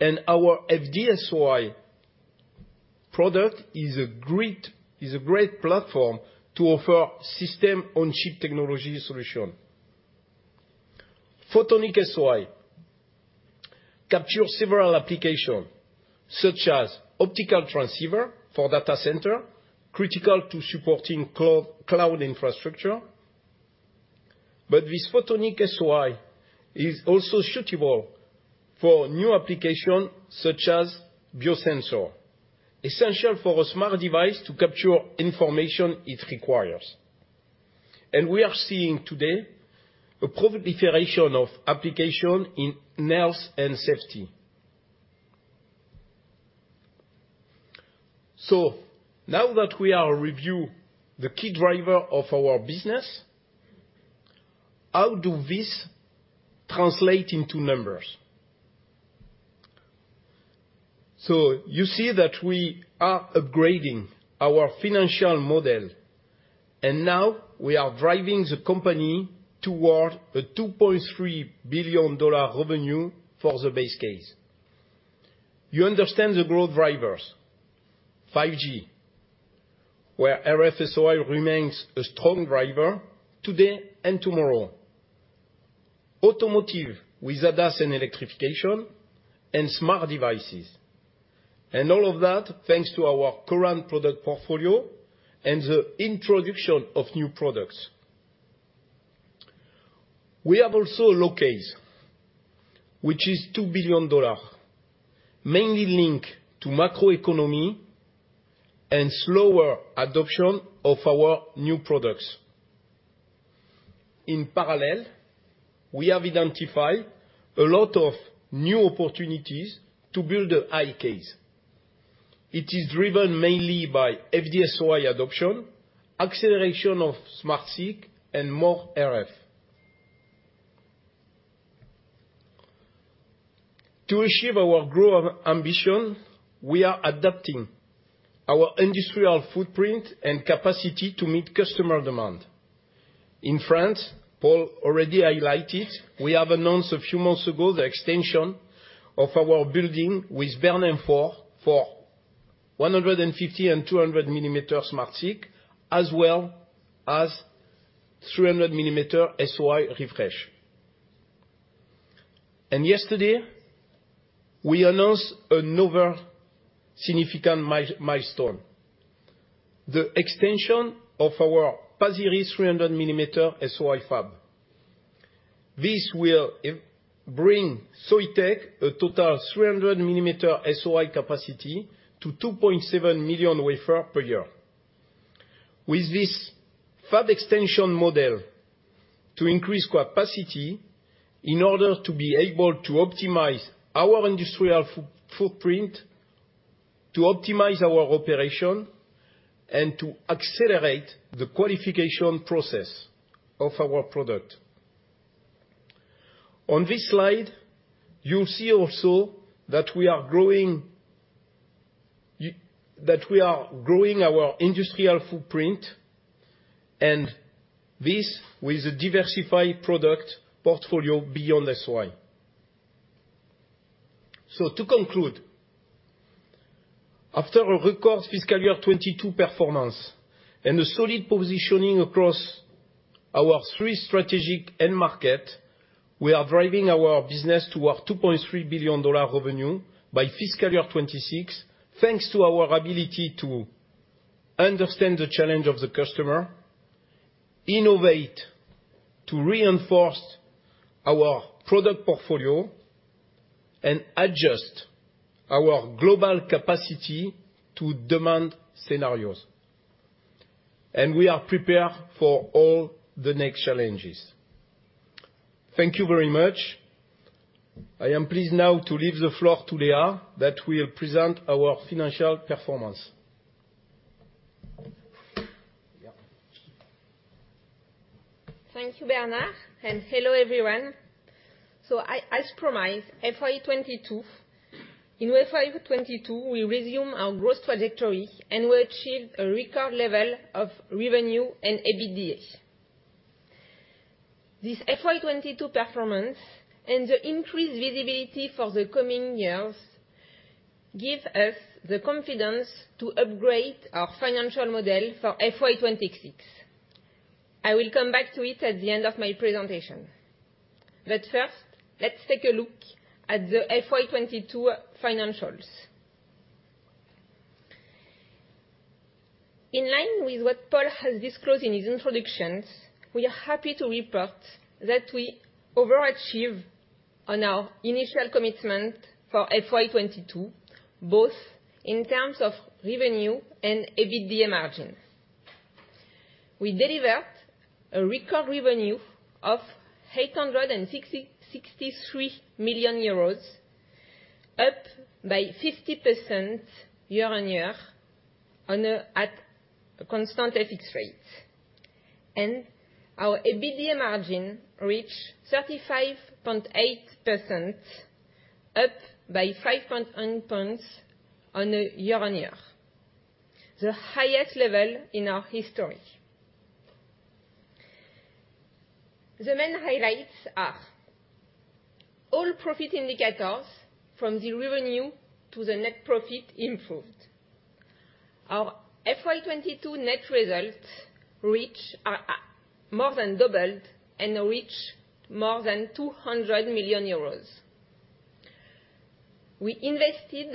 and our FD-SOI product is a great platform to offer system-on-chip technology solution. Photonics-SOI capture several application, such as optical transceiver for data center, critical to supporting cloud infrastructure. This Photonics-SOI is also suitable for new application such as biosensor, essential for a smart device to capture information it requires. We are seeing today a proliferation of application in health and safety. Now that we are review the key driver of our business, how do this translate into numbers? You see that we are upgrading our financial model, and now we are driving the company toward $2.3 billion revenue for the base case. You understand the growth drivers. 5G, where RF-SOI remains a strong driver today and tomorrow. Automotive with ADAS and electrification, and smart devices. All of that, thanks to our current product portfolio and the introduction of new products. We have also a low case, which is $2 billion, mainly linked to macroeconomy and slower adoption of our new products. In parallel, we have identified a lot of new opportunities to build a high case. It is driven mainly by FD-SOI adoption, acceleration of SmartSiC, and more RF. To achieve our growth ambition, we are adapting our industrial footprint and capacity to meet customer demand. In France, Paul already highlighted, we have announced a few months ago the extension of our building with Bernin 4 for 150- and 200-mm SmartSiC, as well as 300-mm SOI refresh. Yesterday, we announced another significant milestone, the extension of our Pasir Ris 300-mm SOI fab. This will bring Soitec a total 300 mm SOI capacity to 2.7 million wafers per year. With this fab extension model to increase capacity in order to be able to optimize our industrial footprint, to optimize our operation, and to accelerate the qualification process of our product. On this slide, you'll see also that we are growing our industrial footprint, and this with a diversified product portfolio beyond SOI. To conclude, after a record fiscal year 2022 performance and a solid positioning across our three strategic end market, we are driving our business toward $2.3 billion revenue by fiscal year 2026, thanks to our ability to understand the challenge of the customer, innovate to reinforce our product portfolio, and adjust our global capacity to demand scenarios. We are prepared for all the next challenges. Thank you very much. I am pleased now to leave the floor to Léa, that will present our financial performance. Thank you, Bernard, and hello everyone. I, as promised, in FY 2022, we resume our growth trajectory, and we achieved a record level of revenue and EBITDA. This FY 2022 performance and the increased visibility for the coming years give us the confidence to upgrade our financial model for FY 2026. I will come back to it at the end of my presentation. First, let's take a look at the FY 2022 financials. In line with what Paul has disclosed in his introductions, we are happy to report that we overachieve on our initial commitment for FY 2022, both in terms of revenue and EBITDA margin. We delivered a record revenue of 863 million euros, up by 50% year-on-year at constant FX rates. Our EBITDA margin reached 35.8%, up by 5.1 points year-on-year, the highest level in our history. The main highlights are all profit indicators from the revenue to the net profit improved. Our FY 202 2 net results more than doubled and reached more than 200 million euros. We invested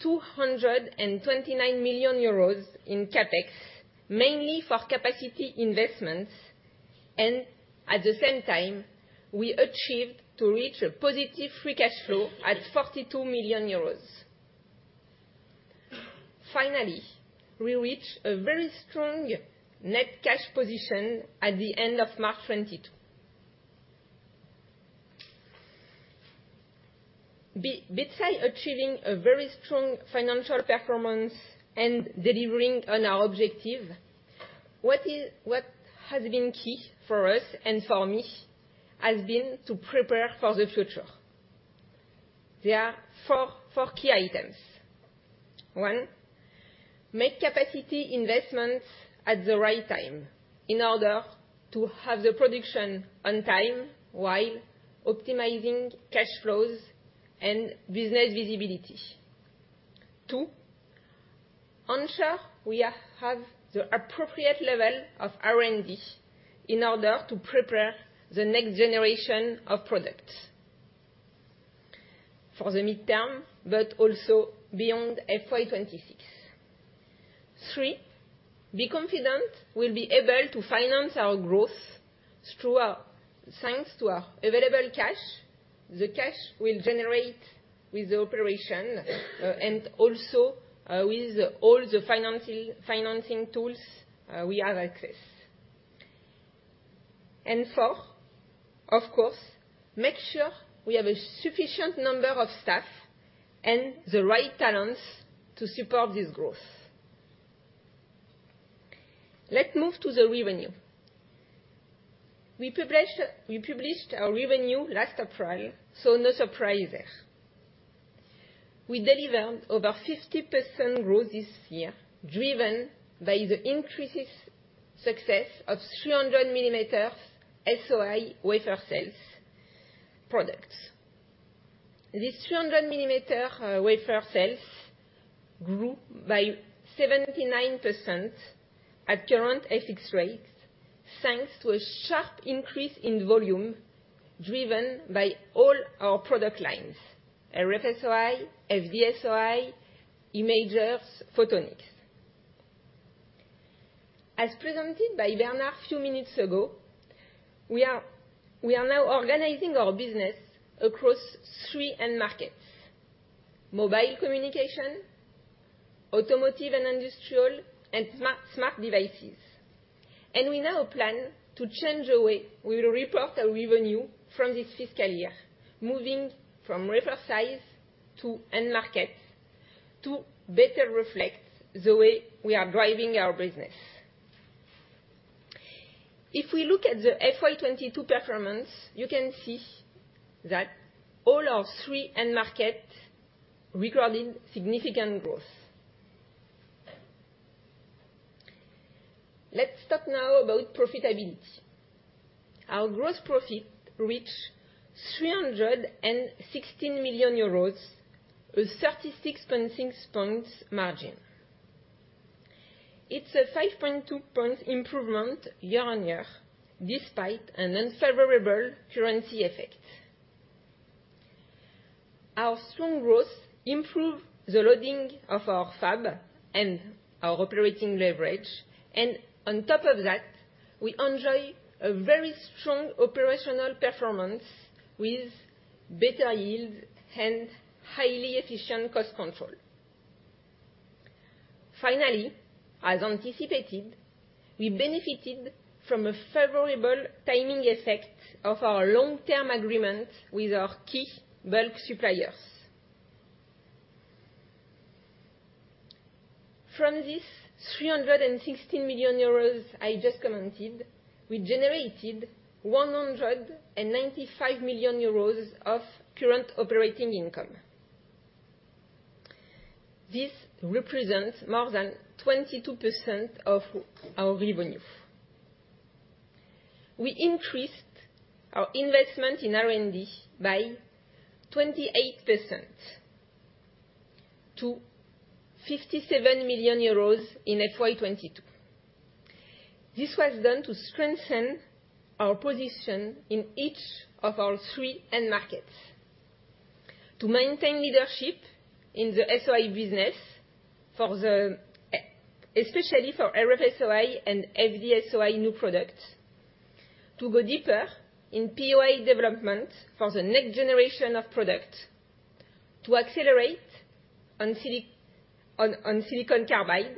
229 million euros in CapEx, mainly for capacity investments, and at the same time, we achieved to reach a positive free cash flow at 42 million euros. Finally, we reached a very strong net cash position at the end of March 2022. Beside achieving a very strong financial performance and delivering on our objective, what has been key for us and for me has been to prepare for the future. There are four key items. One, make capacity investments at the right time in order to have the production on time while optimizing cash flows and business visibility. Two, ensure we have the appropriate level of R&D in order to prepare the next generation of products for the midterm but also beyond FY 2026. Three, be confident we'll be able to finance our growth thanks to our available cash. The cash will generate with the operation and also with all the financing tools we have access. Four, of course, make sure we have a sufficient number of staff and the right talents to support this growth. Let's move to the revenue. We published our revenue last April, so no surprise there. We delivered over 50% growth this year, driven by the increased success of 300 mm SOI wafer sales products. This 300 mm wafer sales grew by 79% at current FX rates, thanks to a sharp increase in volume, driven by all our product lines, RF-SOI, FD-SOI, images, photonics. As presented by Bernard a few minutes ago, we are now organizing our business across three end markets, mobile communication, automotive and industrial, and smart devices. We now plan to change the way we will report our revenue from this fiscal year, moving from wafer size to end market to better reflect the way we are driving our business. If we look at the FY 2022 performance, you can see that all our three end market recorded significant growth. Let's talk now about profitability. Our gross profit reached EUR 316 million, a 36.6-point margin. It's a 5.2-point improvement year-over-year, despite an unfavorable currency effect. Our strong growth improved the loading of our fab and our operating leverage, and on top of that, we enjoy a very strong operational performance with better yield and highly efficient cost control. Finally, as anticipated, we benefited from a favorable timing effect of our long-term agreement with our key bulk suppliers. From this 360 million euros I just commented, we generated 195 million euros of current operating income. This represents more than 22% of our revenue. We increased our investment in R&D by 28% to 57 million euros in FY 2022. This was done to strengthen our position in each of our three end markets. To maintain leadership in the SOI business, especially for RF-SOI and FD-SOI new products, to go deeper in POI development for the next generation of products, to accelerate on silicon carbide,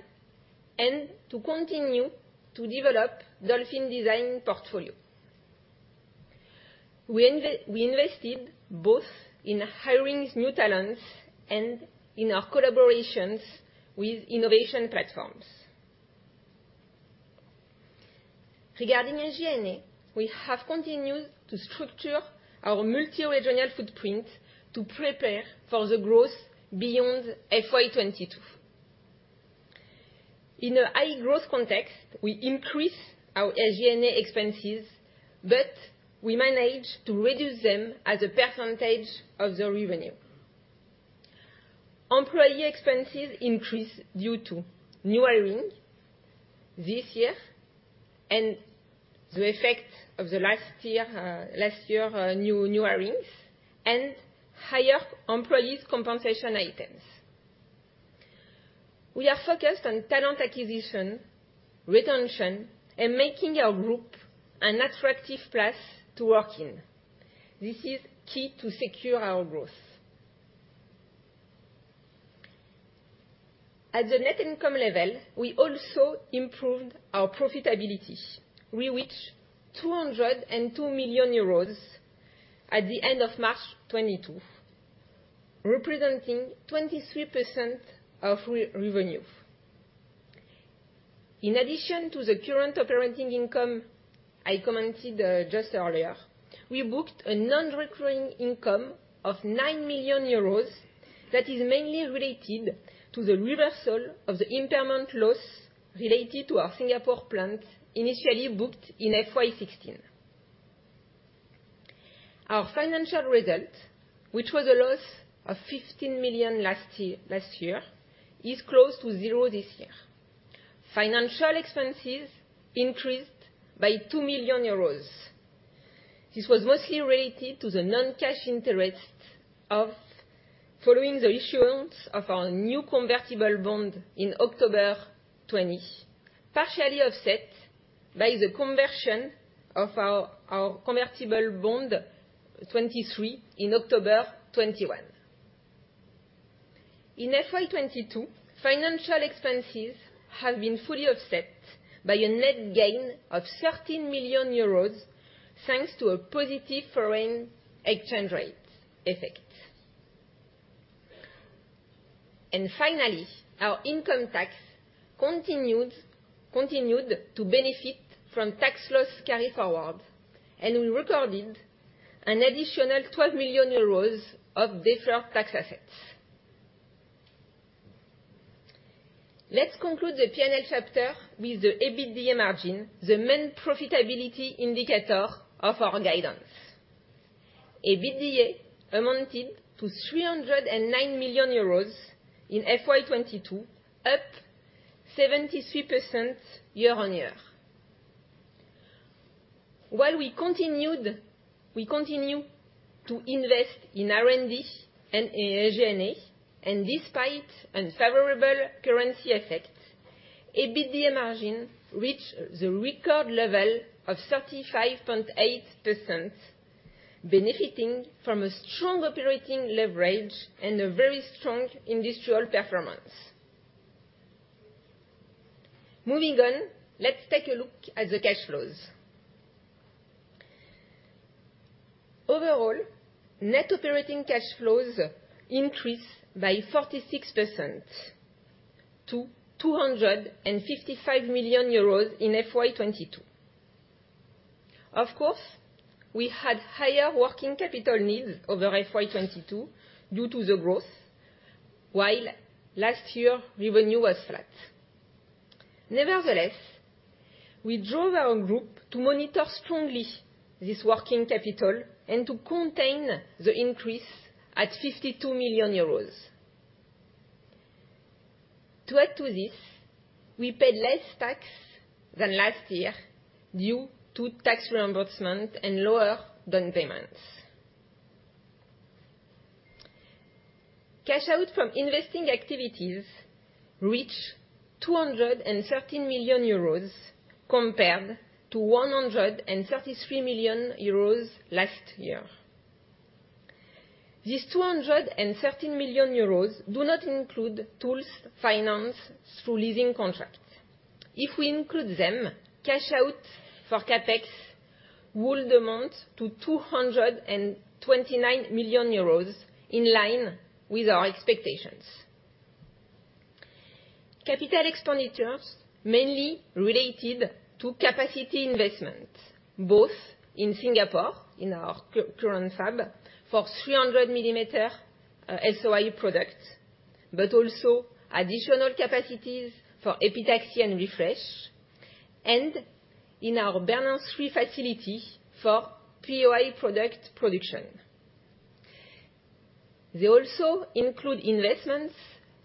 and to continue to develop Dolphin Design portfolio. We invested both in hiring new talents and in our collaborations with innovation platforms. Regarding SG&A, we have continued to structure our multi-regional footprint to prepare for the growth beyond FY 2022. In a high growth context, we increased our SG&A expenses, but we managed to reduce them as a percentage of the revenue. Employee expenses increased due to new hiring this year and the effect of the last year new hirings and higher employee compensation items. We are focused on talent acquisition, retention, and making our group an attractive place to work in. This is key to secure our growth. At the net income level, we also improved our profitability. We reached 202 million euros at the end of March 2022, representing 23% of revenue. In addition to the current operating income I commented just earlier, we booked a non-recurring income of 9 million euros that is mainly related to the reversal of the impairment loss related to our Singapore plant, initially booked in FY16. Our financial result, which was a loss of 15 million last year, is close to zero this year. Financial expenses increased by 2 million euros. This was mostly related to the non-cash interest of following the issuance of our new convertible bond in October 2020, partially offset by the conversion of our convertible bond 2023 in October 2021. In FY 2022, financial expenses have been fully offset by a net gain of 13 million euros thanks to a positive foreign exchange rate effect. Finally, our income tax continued to benefit from tax loss carryforward, and we recorded an additional 12 million euros of deferred tax assets. Let's conclude the P&L chapter with the EBITDA margin, the main profitability indicator of our guidance. EBITDA amounted to 309 million euros in FY 2022, up 73% year-on-year. While we continue to invest in R&D and in SG&A, and despite unfavorable currency effects, EBITDA margin reached the record level of 35.8%, benefiting from a strong operating leverage and a very strong industrial performance. Moving on, let's take a look at the cash flows. Overall, net operating cash flows increased by 46% to EUR 255 million in FY 2022. Of course, we had higher working capital needs over FY 2022 due to the growth, while last year revenue was flat. Nevertheless, we drove our group to monitor strongly this working capital and to contain the increase at 52 million euros. To add to this, we paid less tax than last year due to tax reimbursement and lower bond payments. Cash out from investing activities reached 213 million euros compared to 133 million euros last year. This 213 million euros do not include tools financed through leasing contracts. If we include them, cash out for CapEx would amount to 229 million euros, in line with our expectations. Capital expenditures mainly related to capacity investment, both in Singapore, in our current fab, for 300 mm SOI product, but also additional capacities for epitaxy and refresh, and in our Bernin 3 facility for POI product production. They also include investments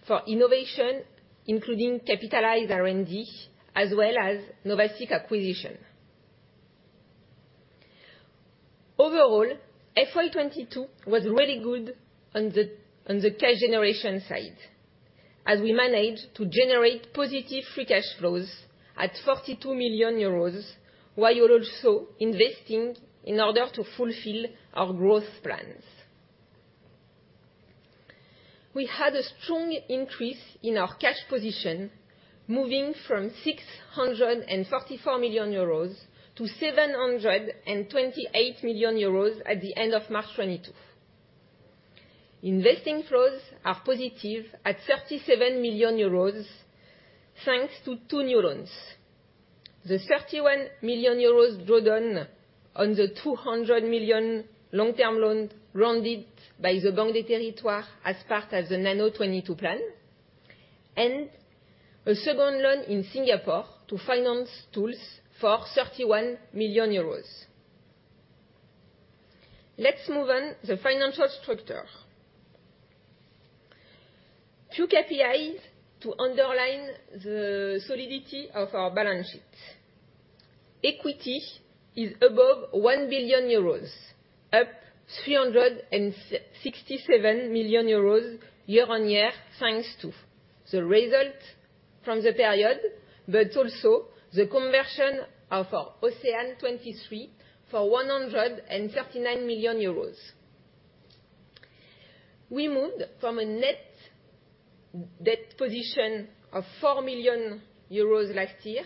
for innovation, including capitalized R&D, as well as NOVASiC acquisition. Overall, FY 2022 was really good on the cash generation side, as we managed to generate positive free cash flows at 42 million euros while also investing in order to fulfill our growth plans. We had a strong increase in our cash position, moving from 644 million euros to 728 million euros at the end of March 2022. Investing flows are positive at 37 million euros thanks to two new loans. The 31 million euros drawn on the 200 million long-term loan granted by the Banque des Territoires as part of the Nano 2022 plan and a second loan in Singapore to finance tools for 31 million euros. Let's move to the financial structure. Two KPIs to underline the solidity of our balance sheet. Equity is above 1 billion euros, up 367 million euros year-on-year, thanks to the result from the period, but also the conversion of our OCEANE 2023 for EUR 139 million. We moved from a net debt position of 4 million euros last year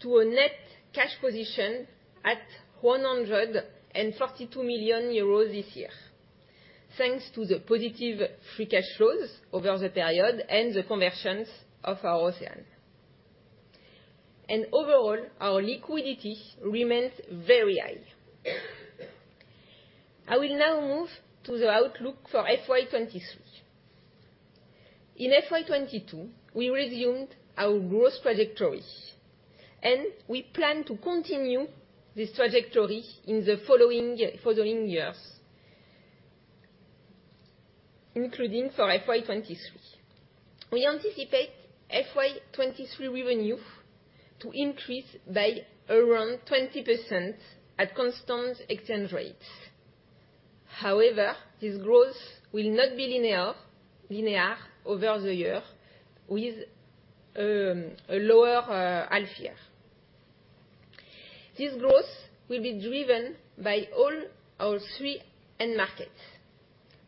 to a net cash position of 142 million euros this year. Thanks to the positive free cash flows over the period and the conversions of our OCEANE. Overall, our liquidity remains very high. I will now move to the outlook for FY 2023. In FY 2022, we resumed our growth trajectory, and we plan to continue this trajectory in the following years, including for FY 2023. We anticipate FY 2023 revenue to increase by around 20% at constant exchange rates. However, this growth will not be linear over the year with a lower half year. This growth will be driven by all our three end markets.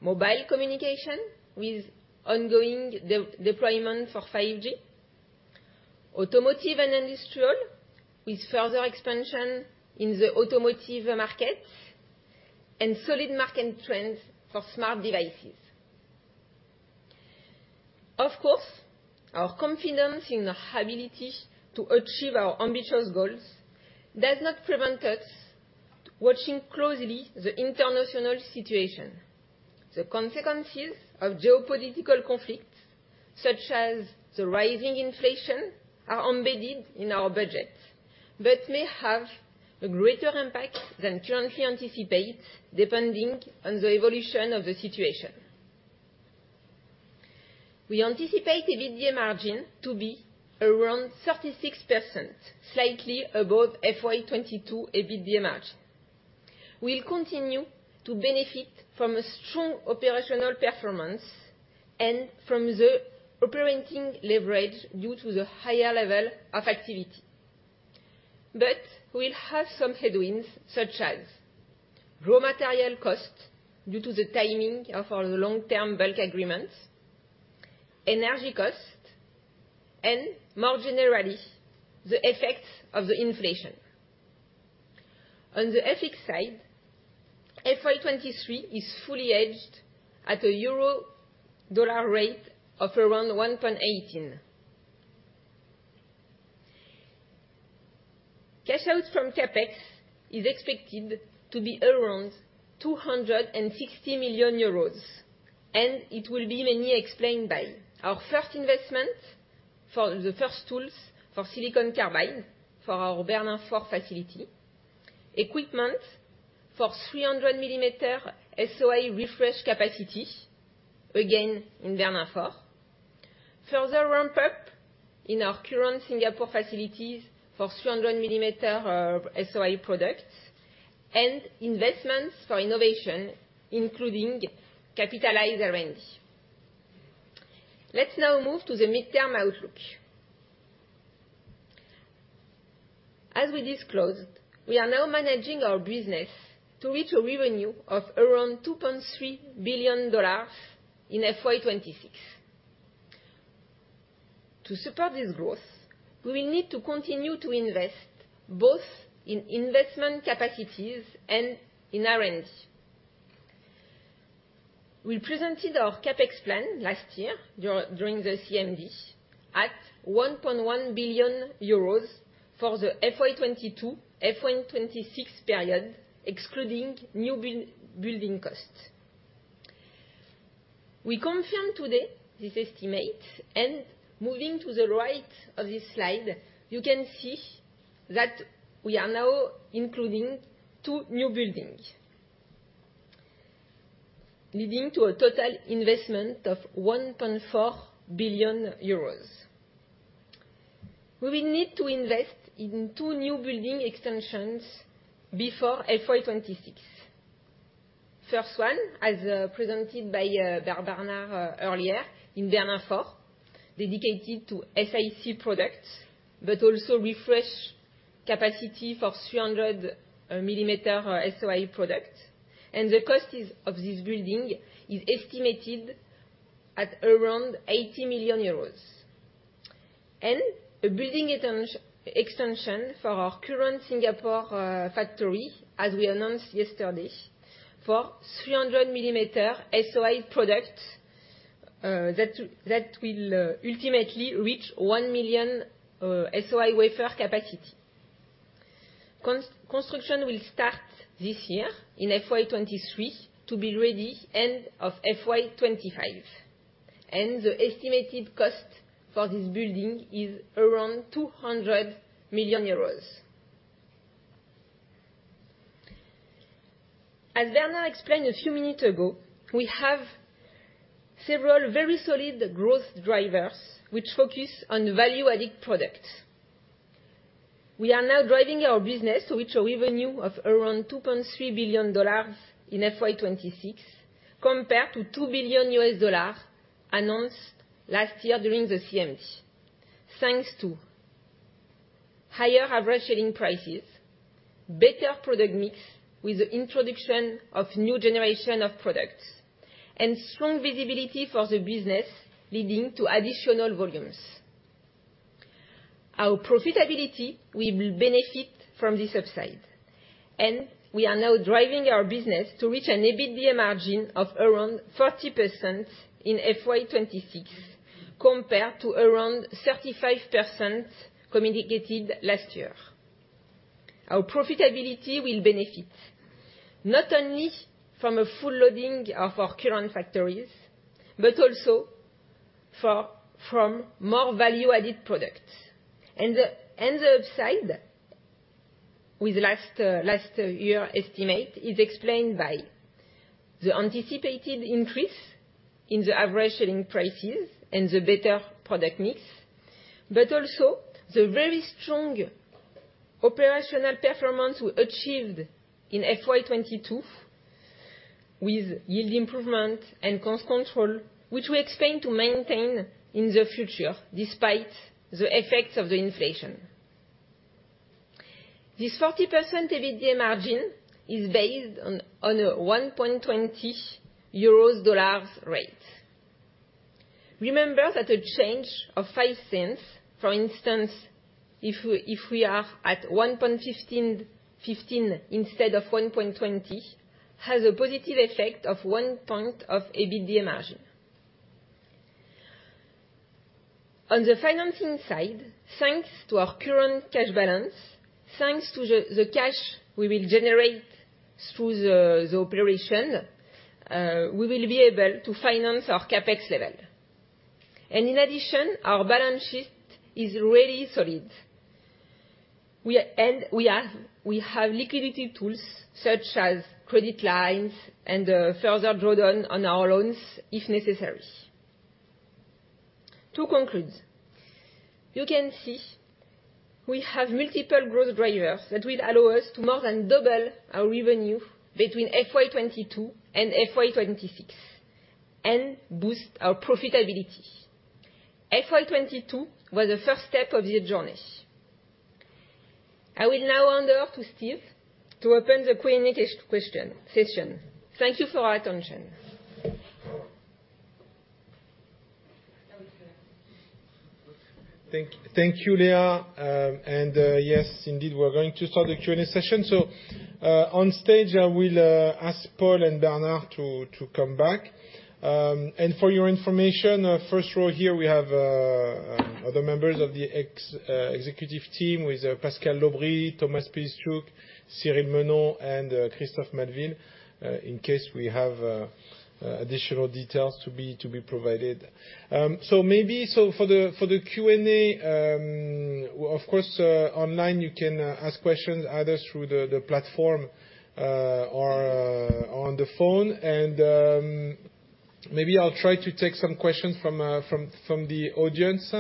Mobile communication with ongoing deployment for 5G. Automotive and industrial with further expansion in the automotive markets, and solid market trends for smart devices. Of course, our confidence in our ability to achieve our ambitious goals does not prevent us watching closely the international situation. The consequences of geopolitical conflict, such as the rising inflation, are embedded in our budget, but may have a greater impact than currently anticipate depending on the evolution of the situation. We anticipate EBITDA margin to be around 36%, slightly above FY 2022 EBITDA margin. We'll continue to benefit from a strong operational performance and from the operating leverage due to the higher level of activity. We'll have some headwinds, such as raw material costs due to the timing of our long-term bulk agreements, energy costs, and more generally, the effects of the inflation. On the FX side, FY 2023 is fully hedged at a euro-dollar rate of around 1.18. Cash outs from CapEx is expected to be around 260 million euros, and it will be mainly explained by our first investment for the first tools for silicon carbide for our Bernin 4 facility, equipment for 300-mm SOI refresh capacity, again in Bernin 4. Further ramp up in our current Singapore facilities for 300-mm SOI products and investments for innovation, including capitalized R&D. Let's now move to the midterm outlook. As we disclosed, we are now managing our business to reach a revenue of around $2.3 billion in FY 2026. To support this growth, we will need to continue to invest both in investment capacities and in R&D. We presented our CapEx plan last year during the CMD at 1.1 billion euros for the FY 2022-FY 2026 period, excluding new building costs. We confirm today this estimate, and moving to the right of this slide, you can see that we are now including two new buildings, leading to a total investment of 1.4 billion euros. We will need to invest in two new building extensions before FY 2026. First one, as presented by Bernard earlier in Bernin 4, dedicated to SiC products, but also refresh capacity for 300 mm SOI product. The cost of this building is estimated at around 80 million euros. A building extension for our current Singapore factory, as we announced yesterday, for 300 mm SOI products, that will ultimately reach 1 million SOI wafer capacity. Construction will start this year in FY 2023 to be ready end of FY 2025, and the estimated cost for this building is around 200 million euros. As Bernard explained a few minutes ago, we have several very solid growth drivers which focus on value-added products. We are now driving our business to reach a revenue of around $2.3 billion in FY 2026 compared to $2 billion announced last year during the CMD, thanks to higher average selling prices, better product mix with the introduction of new generation of products, and strong visibility for the business, leading to additional volumes. Our profitability will benefit from this upside, and we are now driving our business to reach an EBITDA margin of around 40% in FY 2026, compared to around 35% communicated last year. Our profitability will benefit not only from a full loading of our current factories, but also from more value-added products. The upside with last year estimate is explained by the anticipated increase in the average selling prices and the better product mix, but also the very strong operational performance we achieved in FY 2022 with yield improvement and cost control, which we expect to maintain in the future despite the effects of the inflation. This 40% EBITDA margin is based on a 1.20 EUR/USD rate. Remember that a change of $0.05, for instance, if we are at 1.15 instead of 1.20, has a positive effect of 1 point of EBITDA margin. On the financing side, thanks to our current cash balance, thanks to the cash we will generate through the operation, we will be able to finance our CapEx level. In addition, our balance sheet is really solid. We have liquidity tools such as credit lines and further drawdown on our loans if necessary. To conclude, you can see we have multiple growth drivers that will allow us to more than double our revenue between FY 2022 and FY 2026 and boost our profitability. FY 2022 was the first step of the journey. I will now hand over to Steve to open the Q&A question session. Thank you for your attention. Thank you, Léa. Yes, indeed, we're going to start the Q&A session. On stage, I will ask Paul and Bernard to come back. For your information, first row here we have other members of the executive team with Pascal Aubry, Thomas Piliszczuk, Cyril Menon, and Christophe Maleville, in case we have additional details to be provided. Maybe for the Q&A, of course, online, you can ask questions either through the platform or on the phone. Maybe I'll try to take some questions from the audience.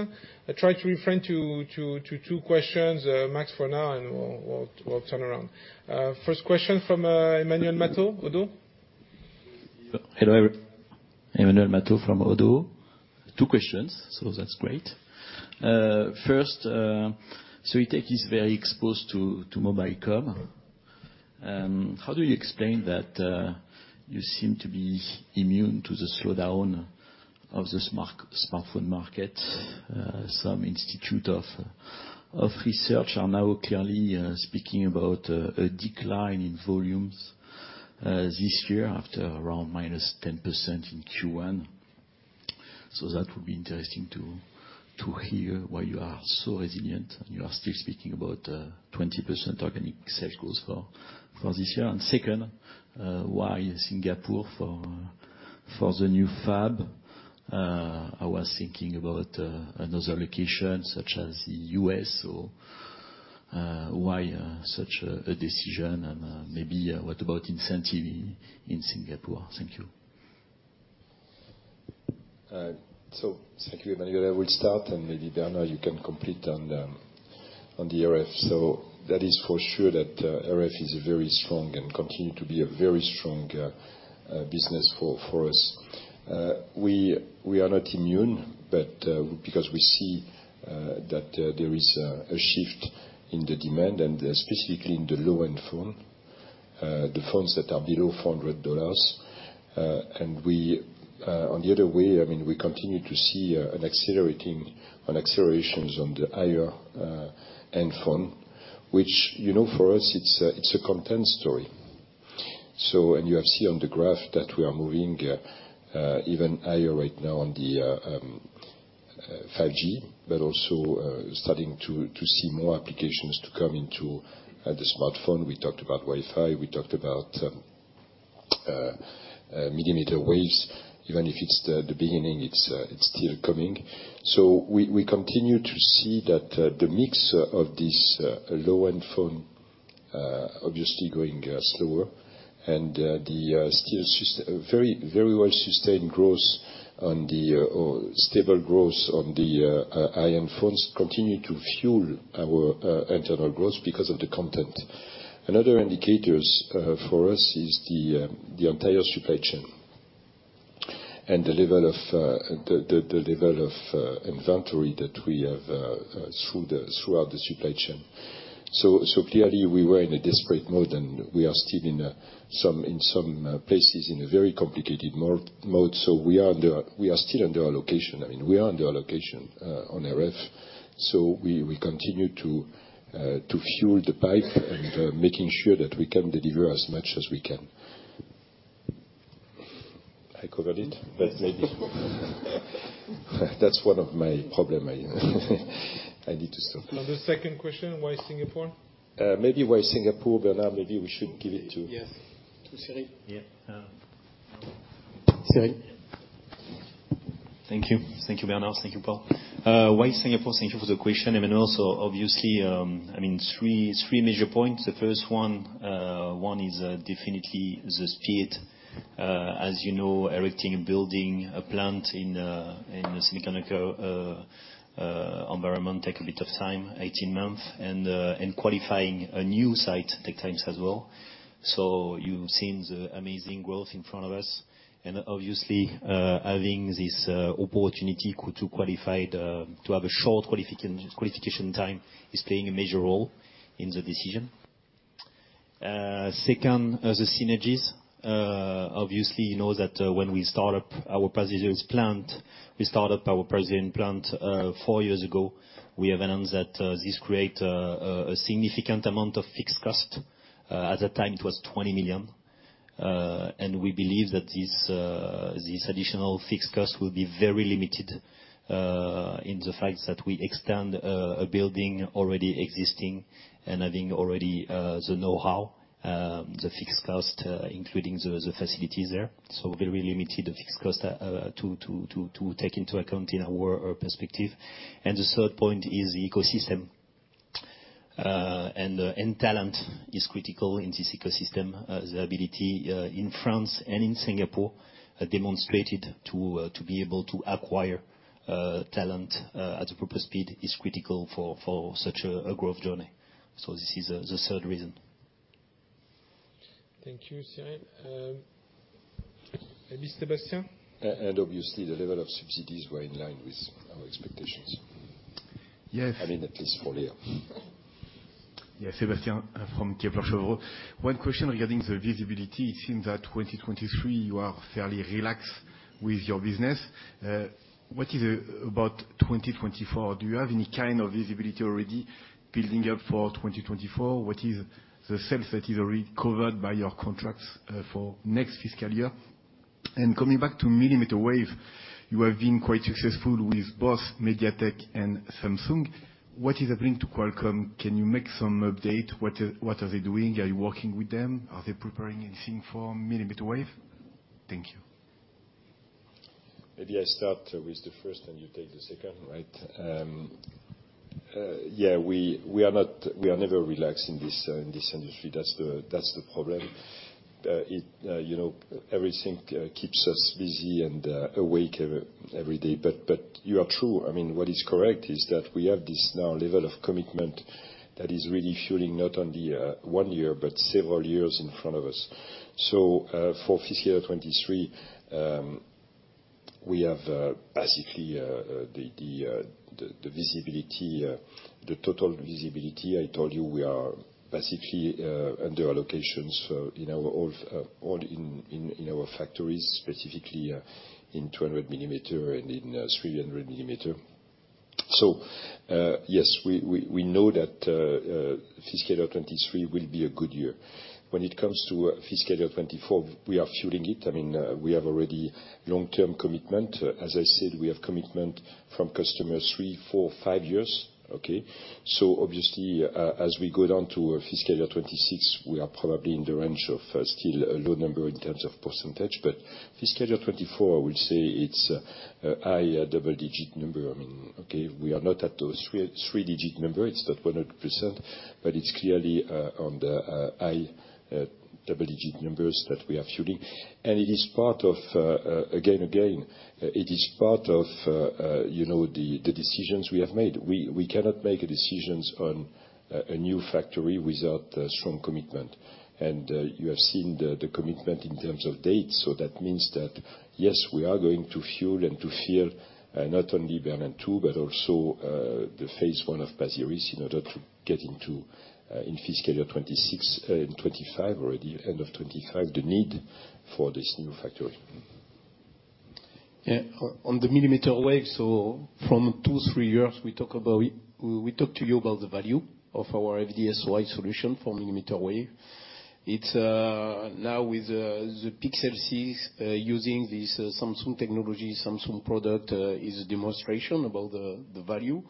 I try to refrain to two questions max for now, and we'll turn around. First question from Emmanuel Matot, ODDO. Hello, Emmanuel Matot from ODDO. Two questions, that's great. First, Soitec is very exposed to MobileCom. How do you explain that you seem to be immune to the slowdown of the smartphone market? Some institute of research are now clearly speaking about a decline in volumes this year after around -10% in Q1. That would be interesting to hear why you are so resilient and you are still speaking about 20% organic sales growth for this year. Second, why Singapore for the new fab? I was thinking about another location such as the U.S., why such a decision and maybe what about incentive in Singapore? Thank you. Thank you, Emmanuel. I will start, and maybe Bernard, you can complete on the RF. That is for sure that RF is very strong and continue to be a very strong business for us. We are not immune, but because we see that there is a shift in the demand, and especially in the low-end phone, the phones that are below $400. On the other hand, I mean, we continue to see an acceleration on the higher-end phone, which, you know, for us it's a content story. You have seen on the graph that we are moving even higher right now on the 5G, but also starting to see more applications to come into the smartphone. We talked about Wi-Fi, we talked about millimeter waves. Even if it's the beginning, it's still coming. We continue to see that the mix of this low-end phone obviously going slower and the still very, very well sustained growth on the or stable growth on the high-end phones continue to fuel our internal growth because of the content. Another indicators for us is the entire supply chain and the level of the level of inventory that we have throughout the supply chain. Clearly we were in a desperate mode, and we are still in some places in a very complicated mode. We are still under allocation. I mean, we are under allocation on RF. We continue to fuel the pipeline and making sure that we can deliver as much as we can. I covered it? Yes. That's one of my problem, I need to stop. The second question, why Singapore? Maybe why Singapore, Bernard, maybe we should give it to- Yes. To Cyril. Yeah. Cyril. Thank you. Thank you, Bernard. Thank you, Paul. Why Singapore? Thank you for the question, Emmanuel. Obviously, I mean, three major points. The first one is definitely the speed. As you know, erecting a building, a plant in the silicon environment takes a bit of time, 18 months. Qualifying a new site takes time as well. You've seen the amazing growth in front of us, and obviously, having this opportunity to have a short qualification time is playing a major role in the decision. Second are the synergies. Obviously you know that, when we start up our Pasir Ris plant four years ago. We announced that this creates a significant amount of fixed cost. At that time it was 20 million. We believe that this additional fixed cost will be very limited in the fact that we extend a building already existing and having already the knowhow, the fixed cost including the facilities there. Very limited, the fixed cost to take into account in our perspective. The third point is the ecosystem. Talent is critical in this ecosystem. The ability in France and in Singapore demonstrated to be able to acquire talent at the proper speed is critical for such a growth journey. This is the third reason. Thank you, Cyril. Maybe Sébastien. Obviously the level of subsidies were in line with our expectations. Yes. I mean, at least for here. Yes. Sébastien from Kepler Cheuvreux. One question regarding the visibility. It seems that 2023 you are fairly relaxed with your business. What is about 2024? Do you have any kind of visibility already building up for 2024? What is the sales that is already covered by your contracts for next fiscal year? Coming back to millimeter wave, you have been quite successful with both MediaTek and Samsung. What is happening to Qualcomm? Can you make some update? What are they doing? Are you working with them? Are they preparing anything for millimeter wave? Thank you. Maybe I start with the first, and you take the second, right? We are never relaxed in this industry. That's the problem. You know, everything keeps us busy and awake every day. You are true. I mean, what is correct is that we have this new level of commitment that is really fueling not only one year, but several years in front of us. For fiscal 2023, we have basically the visibility, the total visibility. I told you we are basically under allocations in all our factories, specifically in 200-mm and in 300-mm. Yes, we know that fiscal 2023 will be a good year. When it comes to fiscal 2024, we are fueling it. I mean, we have already long-term commitment. As I said, we have commitment from customers three, four, five years. Okay? Obviously, as we go down to fiscal 2026, we are probably in the range of still a low number in terms of %, but fiscal 2024, I will say it's a high double-digit %. I mean, okay, we are not at those three-digit %. It's not 100%, but it's clearly on the high double-digit % that we are fueling. It is part of, you know, the decisions we have made. We cannot make decisions on a new factory without a strong commitment. You have seen the commitment in terms of dates, so that means that yes, we are going to fill and to fill not only Bernin 2, but also the phase one of Pasir Ris in order to get into in fiscal year 2026, in 2025 already, end of 2025, the need for this new factory. Yeah. On the millimeter wave, from two to three years, we talk about it. We talk to you about the value of our FD-SOI solution for millimeter wave. It's now with the Pixel 6 using this Samsung technology, Samsung product is a demonstration about the value.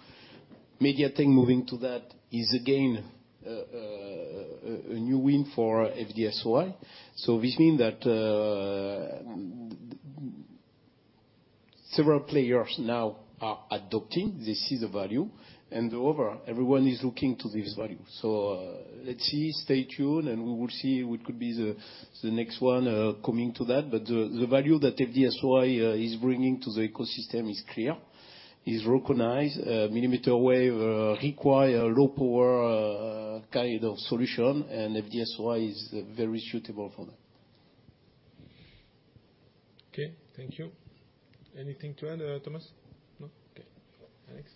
MediaTek moving to that is again a new win for FD-SOI. This mean that several players now are adopting. They see the value, and overall, everyone is looking to this value. Let's see. Stay tuned, and we will see what could be the next one coming to that. But the value that FD-SOI is bringing to the ecosystem is clear, is recognized. Millimeter wave require a low power kind of solution, and FD-SOI is very suitable for that. Okay, thank you. Anything to add, Thomas? No? Okay. Alex?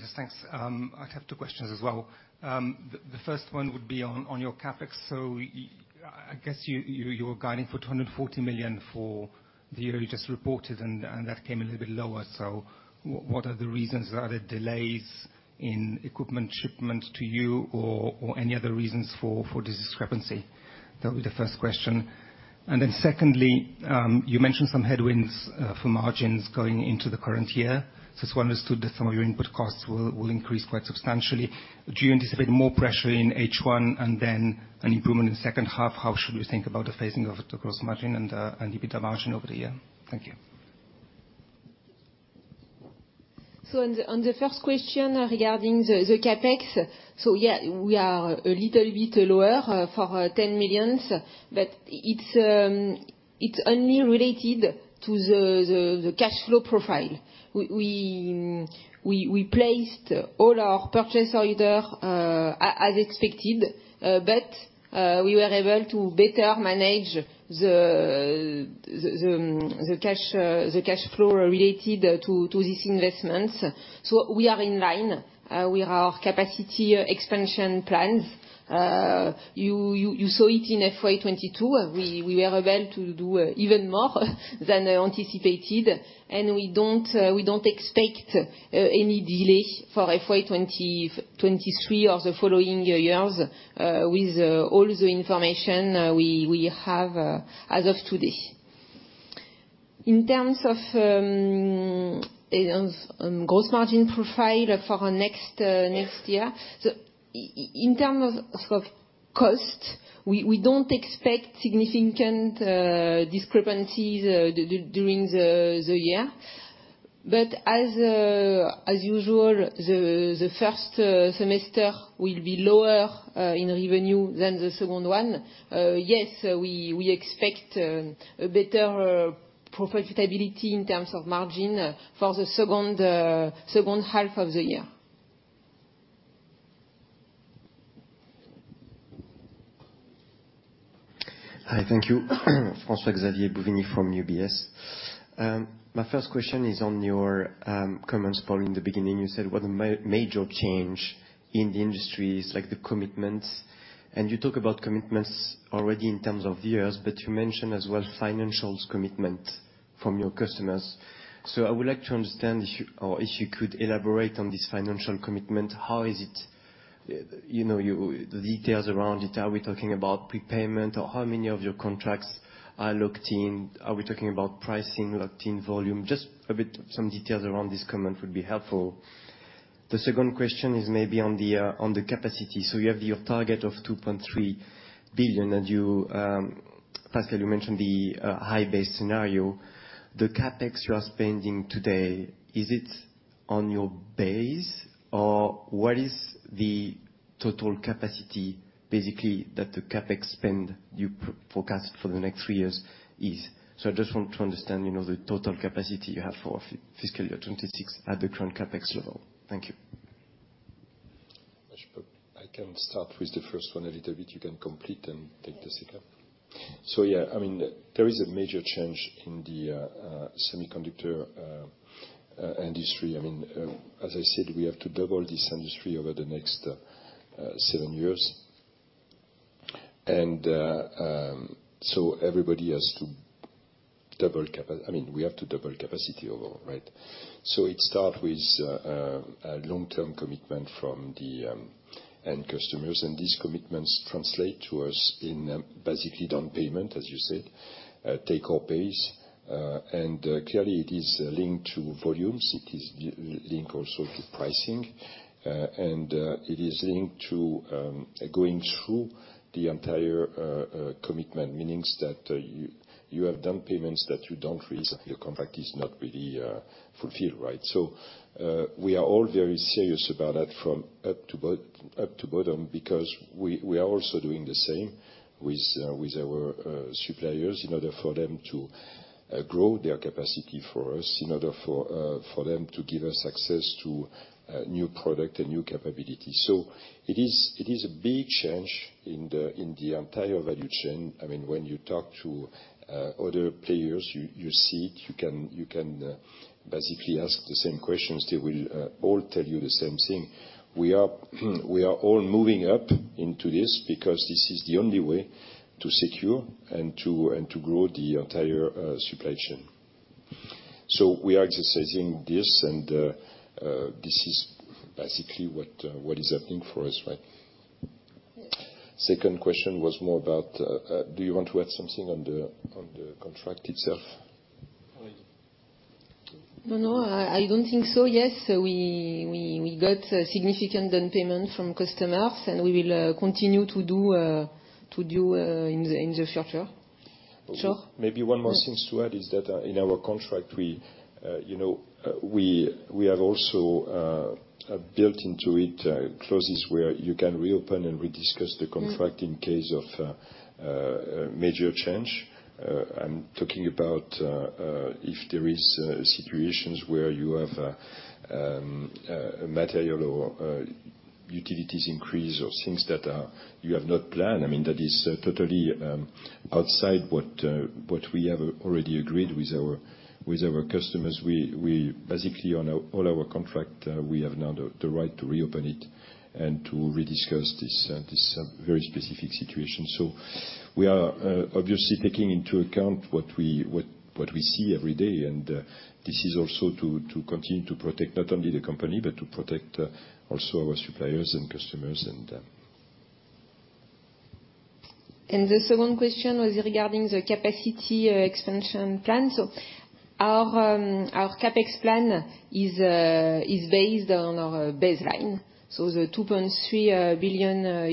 Yes, thanks. I have two questions as well. The first one would be on your CapEx. I guess you were guiding for 240 million for the year you just reported and that came a little bit lower. What are the reasons? Are there delays in equipment shipments to you or any other reasons for this discrepancy? That was the first question. Secondly, you mentioned some headwinds for margins going into the current year. It's well understood that some of your input costs will increase quite substantially. Do you anticipate more pressure in H1 and then an improvement in the second half? How should we think about the phasing of the gross margin and EBITDA margin over the year? Thank you. On the first question regarding the CapEx, yeah, we are a little bit lower for 10 million, but it's only related to the cash flow profile. We placed all our purchase order as expected, but we were able to better manage the cash flow related to these investments. We are in line with our capacity expansion plans. You saw it in FY 2022. We were able to do even more than anticipated, and we don't expect any delay for FY 2023 or the following years, with all the information we have as of today. In terms of gross margin profile for next year, in terms of cost, we don't expect significant discrepancies during the year. As usual, the first semester will be lower in revenue than the second one. Yes, we expect a better profitability in terms of margin for the second half of the year. Hi. Thank you. François-Xavier Bouvignies from UBS. My first question is on your comments, Paul. In the beginning, you said what a major change in the industry is like the commitments, and you talk about commitments already in terms of years, but you mention as well financial commitment from your customers. I would like to understand if you or if you could elaborate on this financial commitment. How is it, you know, the details around it. Are we talking about prepayment, or how many of your contracts are locked in? Are we talking about pricing locked in volume? Just a bit some details around this comment would be helpful. The second question is maybe on the capacity. You have your target of 2.3 billion, and Pascal, you mentioned the high base scenario. The CapEx you are spending today, is it on your base, or what is the total capacity basically that the CapEx spend you forecast for the next three years is? I just want to understand, you know, the total capacity you have for fiscal year 2026 at the current CapEx level. Thank you. I can start with the first one a little bit. You can complete and take the second. Yes. Yeah, I mean, there is a major change in the semiconductor industry. I mean, as I said, we have to double this industry over the next seven years. Everybody has to double capacity overall, right? It start with a long-term commitment from the end customers, and these commitments translate to us in basically down payment, as you said, take or pays. Clearly it is linked to volumes. It is linked also to pricing. It is linked to going through the entire commitment, meaning that you have down payments that you don't raise, your contract is not really fulfilled, right? We are all very serious about that from top to bottom because we are also doing the same with our suppliers in order for them to grow their capacity for us, in order for them to give us access to new product and new capability. It is a big change in the entire value chain. I mean, when you talk to other players, you see it. You can basically ask the same questions. They will all tell you the same thing. We are all moving up into this because this is the only way to secure and to grow the entire supply chain. We are exercising this, and this is basically what is happening for us, right? Yes. Second question was more about, do you want to add something on the contract itself? No, I don't think so. Yes, we got significant down payment from customers, and we will continue to do in the future. Sure. Maybe one more thing to add is that, in our contract we, you know, we have also built into it clauses where you can reopen and rediscuss the contract. Yeah. In case of a major change. I'm talking about if there is situations where you have a material or utilities increase or things that you have not planned, I mean, that is totally outside what we have already agreed with our customers. We basically on all our contract we have now the right to reopen it and to re-discuss this very specific situation. We are obviously taking into account what we see every day and this is also to continue to protect not only the company, but to protect also our suppliers and customers. The second question was regarding the capacity expansion plan. Our CapEx plan is based on our baseline, so the $2.3 billion.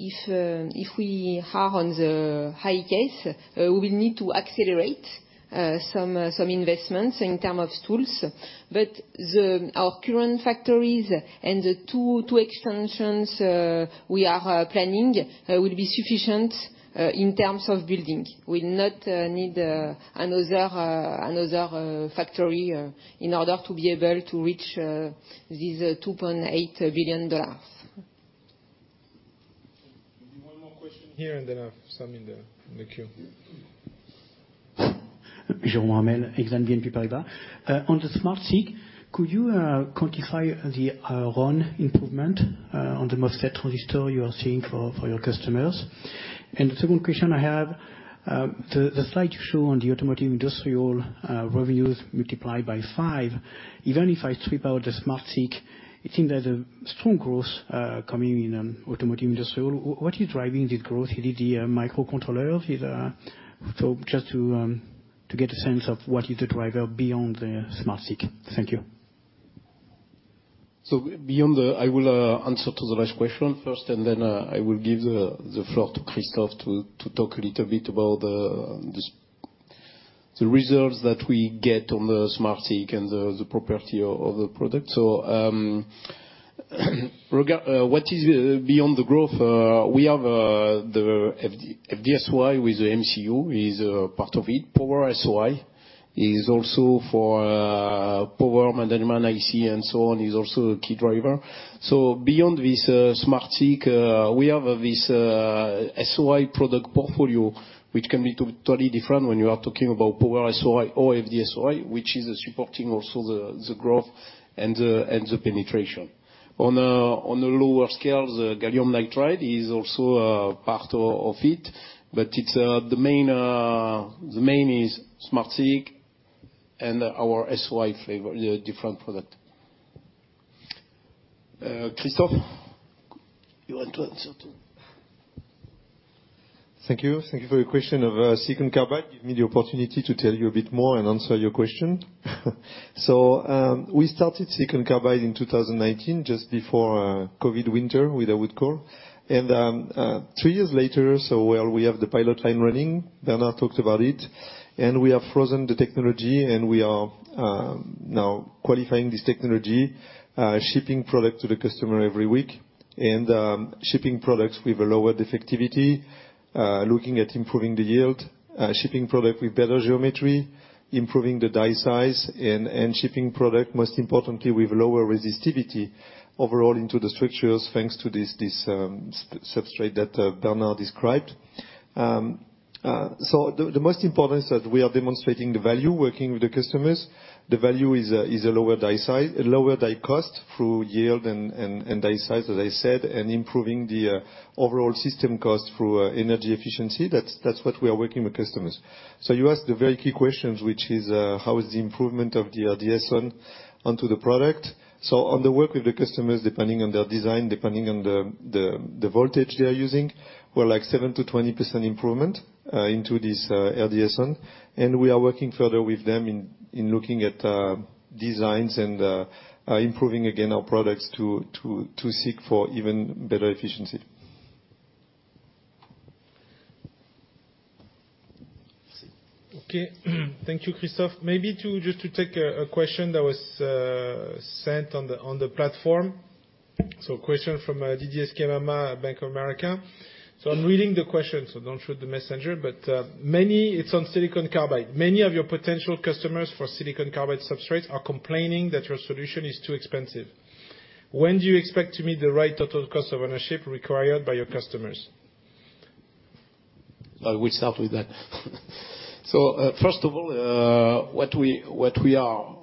If we are on the high case, we will need to accelerate some investments in terms of tools. Our current factories and the two extensions we are planning will be sufficient in terms of buildings and will not need another factory in order to be able to reach this $2.8 billion. Maybe one more question here, and then I have some in the queue. Jerome Ramel, Exane BNP Paribas. On the SmartSiC, could you quantify the RON improvement on the MOSFET transistor you are seeing for your customers? The second question I have, the slide you show on the automotive industrial revenues multiplied by five. Even if I strip out the SmartSiC, it seems there's a strong growth coming in automotive industrial. What is driving this growth? Is it the microcontrollers? Just to get a sense of what is the driver beyond the SmartSiC. Thank you. I will answer the last question first, and then I will give the floor to Christophe to talk a little bit about the results that we get on the SmartSiC and the property of the product. Regarding what is beyond the growth? We have the FD-SOI with the MCU is a part of it. Power-SOI is also for power management IC and so on, is also a key driver. Beyond this, SmartSiC, we have this SOI product portfolio which can be totally different when you are talking about Power-SOI or FD-SOI, which is supporting also the growth and the penetration. On a lower scale, the gallium nitride is also part of it, but it's the main SmartSiC™ and our SOI flavor, the different product. Christophe, you want to answer too? Thank you. Thank you for your question on silicon carbide. Give me the opportunity to tell you a bit more and answer your question. We started silicon carbide in 2019 just before COVID winter with a good core. Three years later, we have the pilot line running. Bernard talked about it, and we have frozen the technology, and we are now qualifying this technology, shipping product to the customer every week. We are shipping products with a lower defectivity, looking at improving the yield, shipping product with better geometry, improving the die size and shipping product, most importantly, with lower resistivity overall into the structures, thanks to this substrate that Bernard described. The most important is that we are demonstrating the value working with the customers. The value is a lower die size, lower die cost through yield and die size, as I said, and improving the overall system cost through energy efficiency. That's what we are working with customers. You asked the very key questions, which is how is the improvement of the RDS(on) onto the product? On the work with the customers, depending on their design, depending on the voltage they are using, we're like 7%-20% improvement into this RDS(on). We are working further with them in looking at designs and improving again our products to seek for even better efficiency. Okay. Thank you, Christophe. Maybe just to take a question that was sent on the platform. Question from Didier Scemama at Bank of America. I'm reading the question, so don't shoot the messenger, but many. It's on silicon carbide. Many of your potential customers for silicon carbide substrates are complaining that your solution is too expensive. When do you expect to meet the right total cost of ownership required by your customers? I will start with that. First of all, what we are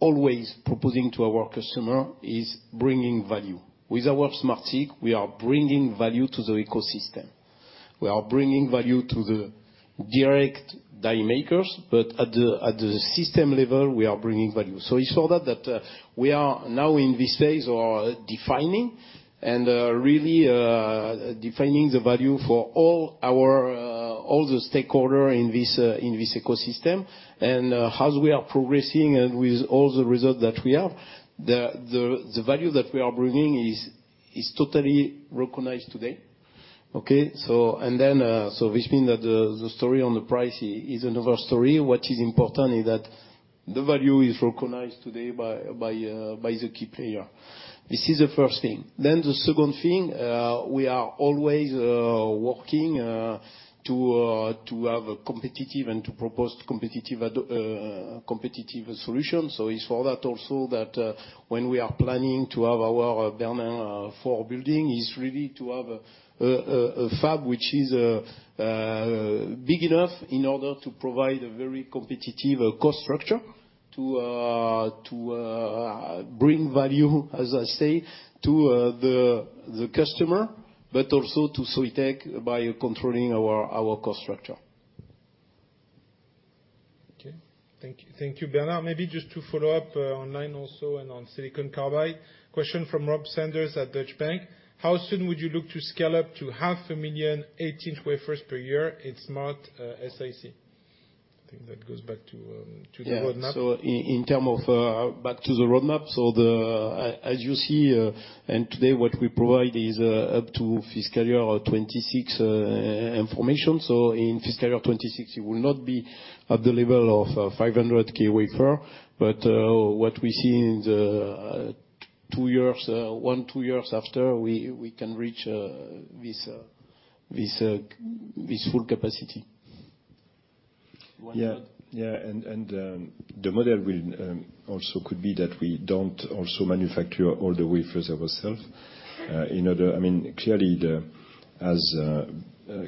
always proposing to our customer is bringing value. With our SmartSiC, we are bringing value to the ecosystem. We are bringing value to the IDMs, but at the system level, we are bringing value. You saw that we are now in this phase of really defining the value for all the stakeholders in this ecosystem. As we are progressing and with all the results that we have, the value that we are bringing is totally recognized today. Okay, which mean that the story on the price is another story. What is important is that the value is recognized today by the key players. This is the first thing. The second thing, we are always working to have a competitive and to propose competitive solution. It's for that also that when we are planning to have our Bernin 4 building is really to have a fab which is big enough in order to provide a very competitive cost structure to bring value, as I say, to the customer, but also to Soitec by controlling our cost structure. Okay. Thank you, thank you, Bernard. Maybe just to follow up, online also and on silicon carbide, question from Robert Sanders at Deutsche Bank. How soon would you look to scale up to 500,000 18 in wafers per year in SmartSiC? I think that goes back to the roadmap. Yeah. In terms of back to the roadmap, as you see, and today what we provide is up to fiscal year 2026 information. In fiscal year 2026, it will not be at the level of 500K wafers. What we see in the two years one two years after, we can reach this full capacity. One more? The model will also could be that we don't also manufacture all the wafers ourselves. I mean, clearly, as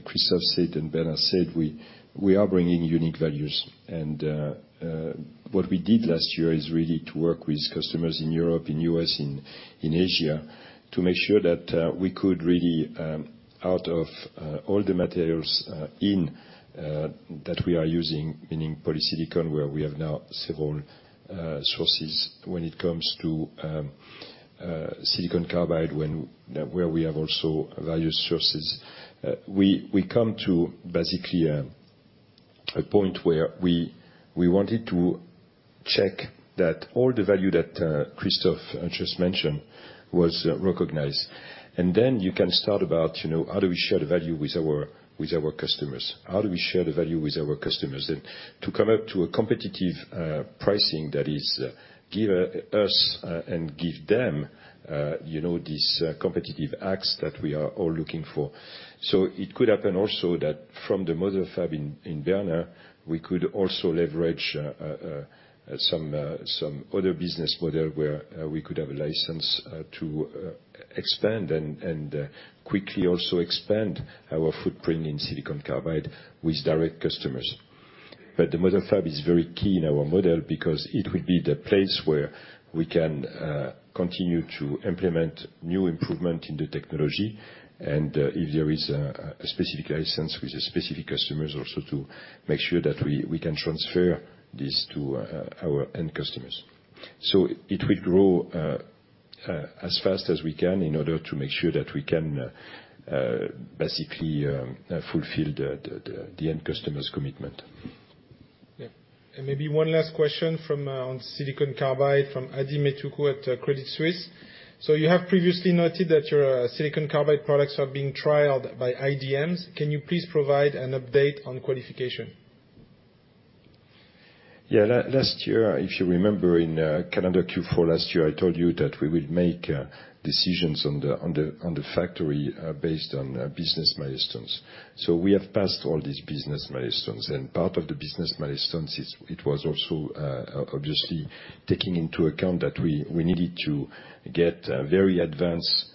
Christophe said and Bernard said, we are bringing unique values. What we did last year is really to work with customers in Europe, in U.S., in Asia, to make sure that we could really out of all the materials that we are using, meaning polysilicon, where we have now several sources when it comes to silicon carbide, where we have also various sources. We come to basically a point where we wanted to check that all the value that Christophe just mentioned was recognized. You can start about, you know, how do we share the value with our customers? To come up with a competitive pricing that gives us and gives them, you know, these competitive edge that we are all looking for. It could happen also that from the mother fab in Bernin, we could also leverage some other business model where we could have a license to expand and quickly also expand our footprint in silicon carbide with direct customers. But the mother fab is very key in our model because it will be the place where we can continue to implement new improvement in the technology. If there is a specific license with a specific customers also to make sure that we can transfer this to our end customers. It will grow as fast as we can in order to make sure that we can basically fulfill the end customer's commitment. Yeah. Maybe one last question from on silicon carbide from Adithya Metuku at Credit Suisse. You have previously noted that your silicon carbide products are being trialed by IDMs. Can you please provide an update on qualification? Yeah. Last year, if you remember in calendar Q4 last year, I told you that we will make decisions on the factory based on business milestones. We have passed all these business milestones. Part of the business milestones is it was also obviously taking into account that we needed to get very advanced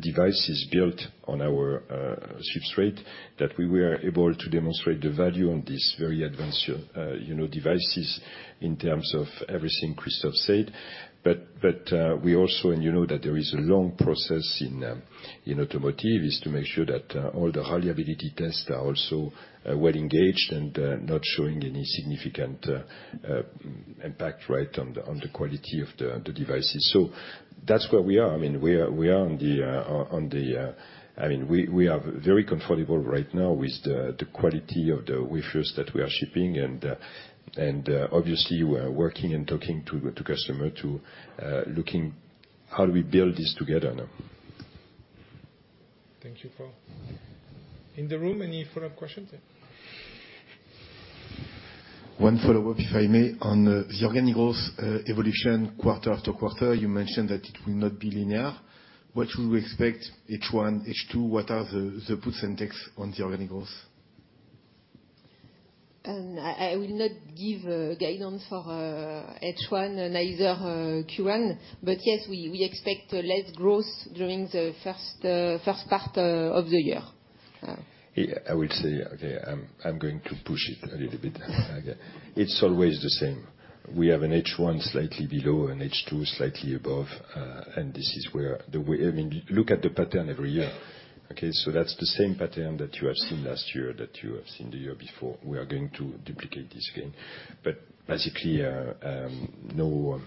devices built on our substrate, that we were able to demonstrate the value on these very advanced, you know, devices in terms of everything Christophe said. We also, you know that there is a long process in automotive is to make sure that all the reliability tests are also well engaged and not showing any significant impact, right, on the quality of the devices. That's where we are. I mean, we are very comfortable right now with the quality of the wafers that we are shipping. Obviously we are working and talking to customer, looking how we build this together now. Thank you, Paul. In the room, any follow-up questions? Yeah. One follow-up, if I may, on the organic growth, evolution quarter-after-quarter. You mentioned that it will not be linear. What should we expect H1, H2? What are the puts and takes on the organic growth? I will not give a guidance for H1 or Q1. Yes, we expect less growth during the first part of the year. I will say, okay, I'm going to push it a little bit. It's always the same. We have an H1 slightly below and H2 slightly above, and this is where I mean, look at the pattern every year. Okay? That's the same pattern that you have seen last year, that you have seen the year before. We are going to duplicate this again. Basically, no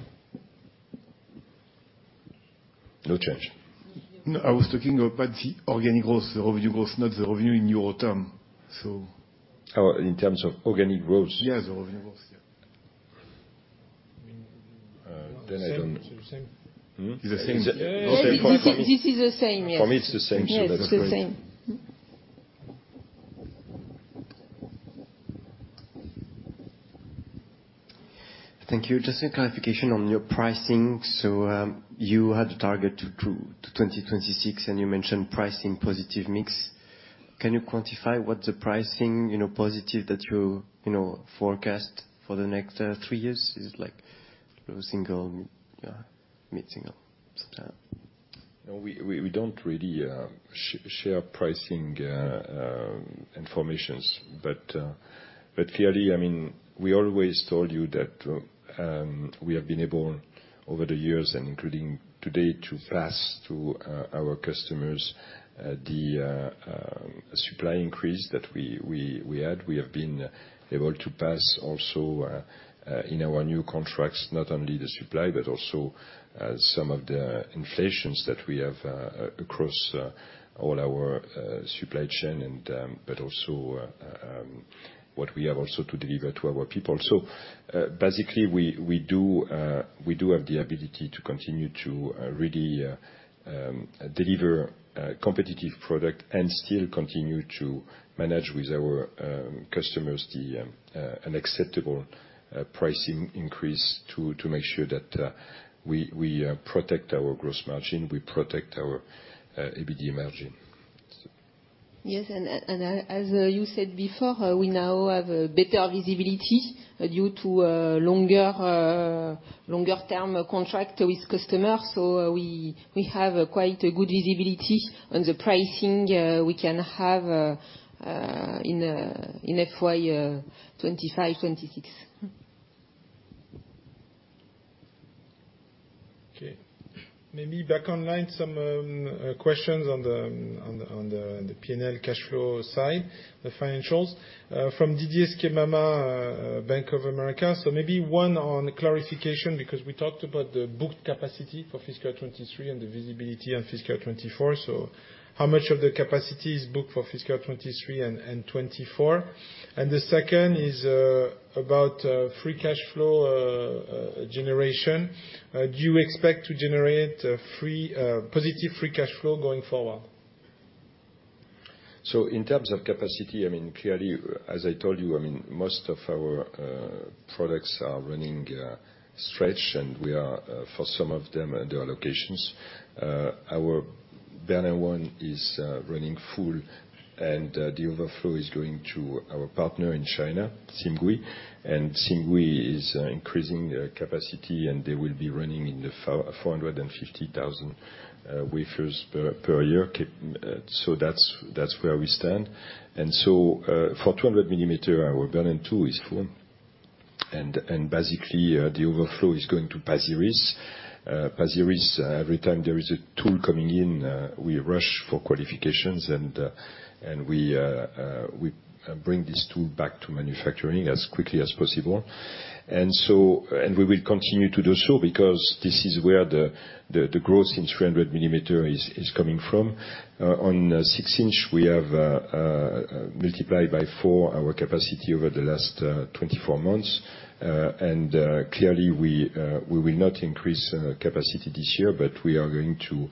change. No, I was talking about the organic growth, the revenue growth, not the revenue in euro terms, so. Oh, in terms of organic growth? Yes, the revenue growth. Yeah. I don't. Same. It's the same. Mm-hmm. It's the same. Yes, this is the same, yes. For me, it's the same shade, by the way. Yes, it's the same. Mm-hmm. Thank you. Just a clarification on your pricing. You had a target to 2026, and you mentioned pricing positive mix. Can you quantify what the pricing, you know, positive that you know, forecast for the next three years? Is it like low single, mid-single? No, we don't really share pricing information. Clearly, I mean, we always told you that we have been able, over the years and including today, to pass to our customers the supply increase that we had. We have been able to pass also in our new contracts not only the supply, but also some of the inflation that we have across all our supply chain and but also what we have also to deliver to our people. Basically, we do have the ability to continue to really deliver competitive product and still continue to manage with our customers an acceptable pricing increase to make sure that we protect our gross margin, we protect our EBITDA margin. Yes. As you said before, we now have better visibility due to a longer-term contract with customers. We have quite a good visibility on the pricing we can have in FY 2025, 2026. Okay. Maybe back online, some questions on the P&L cash flow side, the financials. From Didier Scemama, Bank of America. Maybe one on clarification because we talked about the booked capacity for fiscal 2023 and the visibility on fiscal 2024. How much of the capacity is booked for fiscal 2023 and 2024? And the second is about free cash flow generation. Do you expect to generate positive free cash flow going forward? In terms of capacity, I mean, clearly, as I told you, I mean, most of our products are running stretched, and we are for some of them, the allocations. Our Bernin 1 is running full, and the overflow is going to our partner in China, Simgui. Simgui is increasing capacity, and they will be running in the 450,000 wafers per year. That's where we stand. For 200 mm, our Bernin 2 is full. And basically, the overflow is going to Pasir Ris. Pasir Ris, every time there is a tool coming in, we rush for qualifications and we bring this tool back to manufacturing as quickly as possible. We will continue to do so because this is where the growth in 300 mm is coming from. On 6 in, we have multiplied by four our capacity over the last 24 months. Clearly, we will not increase capacity this year, but we are going to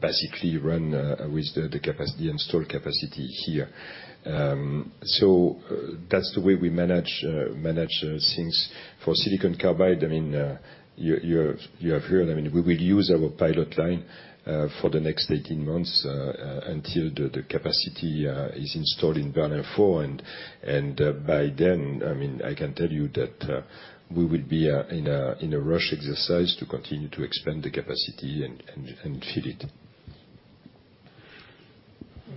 basically run with the installed capacity here. That's the way we manage things. For silicon carbide, I mean, you have heard, I mean, we will use our pilot line for the next 18 months until the capacity is installed in Bernin 4. By then, I mean, I can tell you that we will be in a rush exercise to continue to expand the capacity and fill it.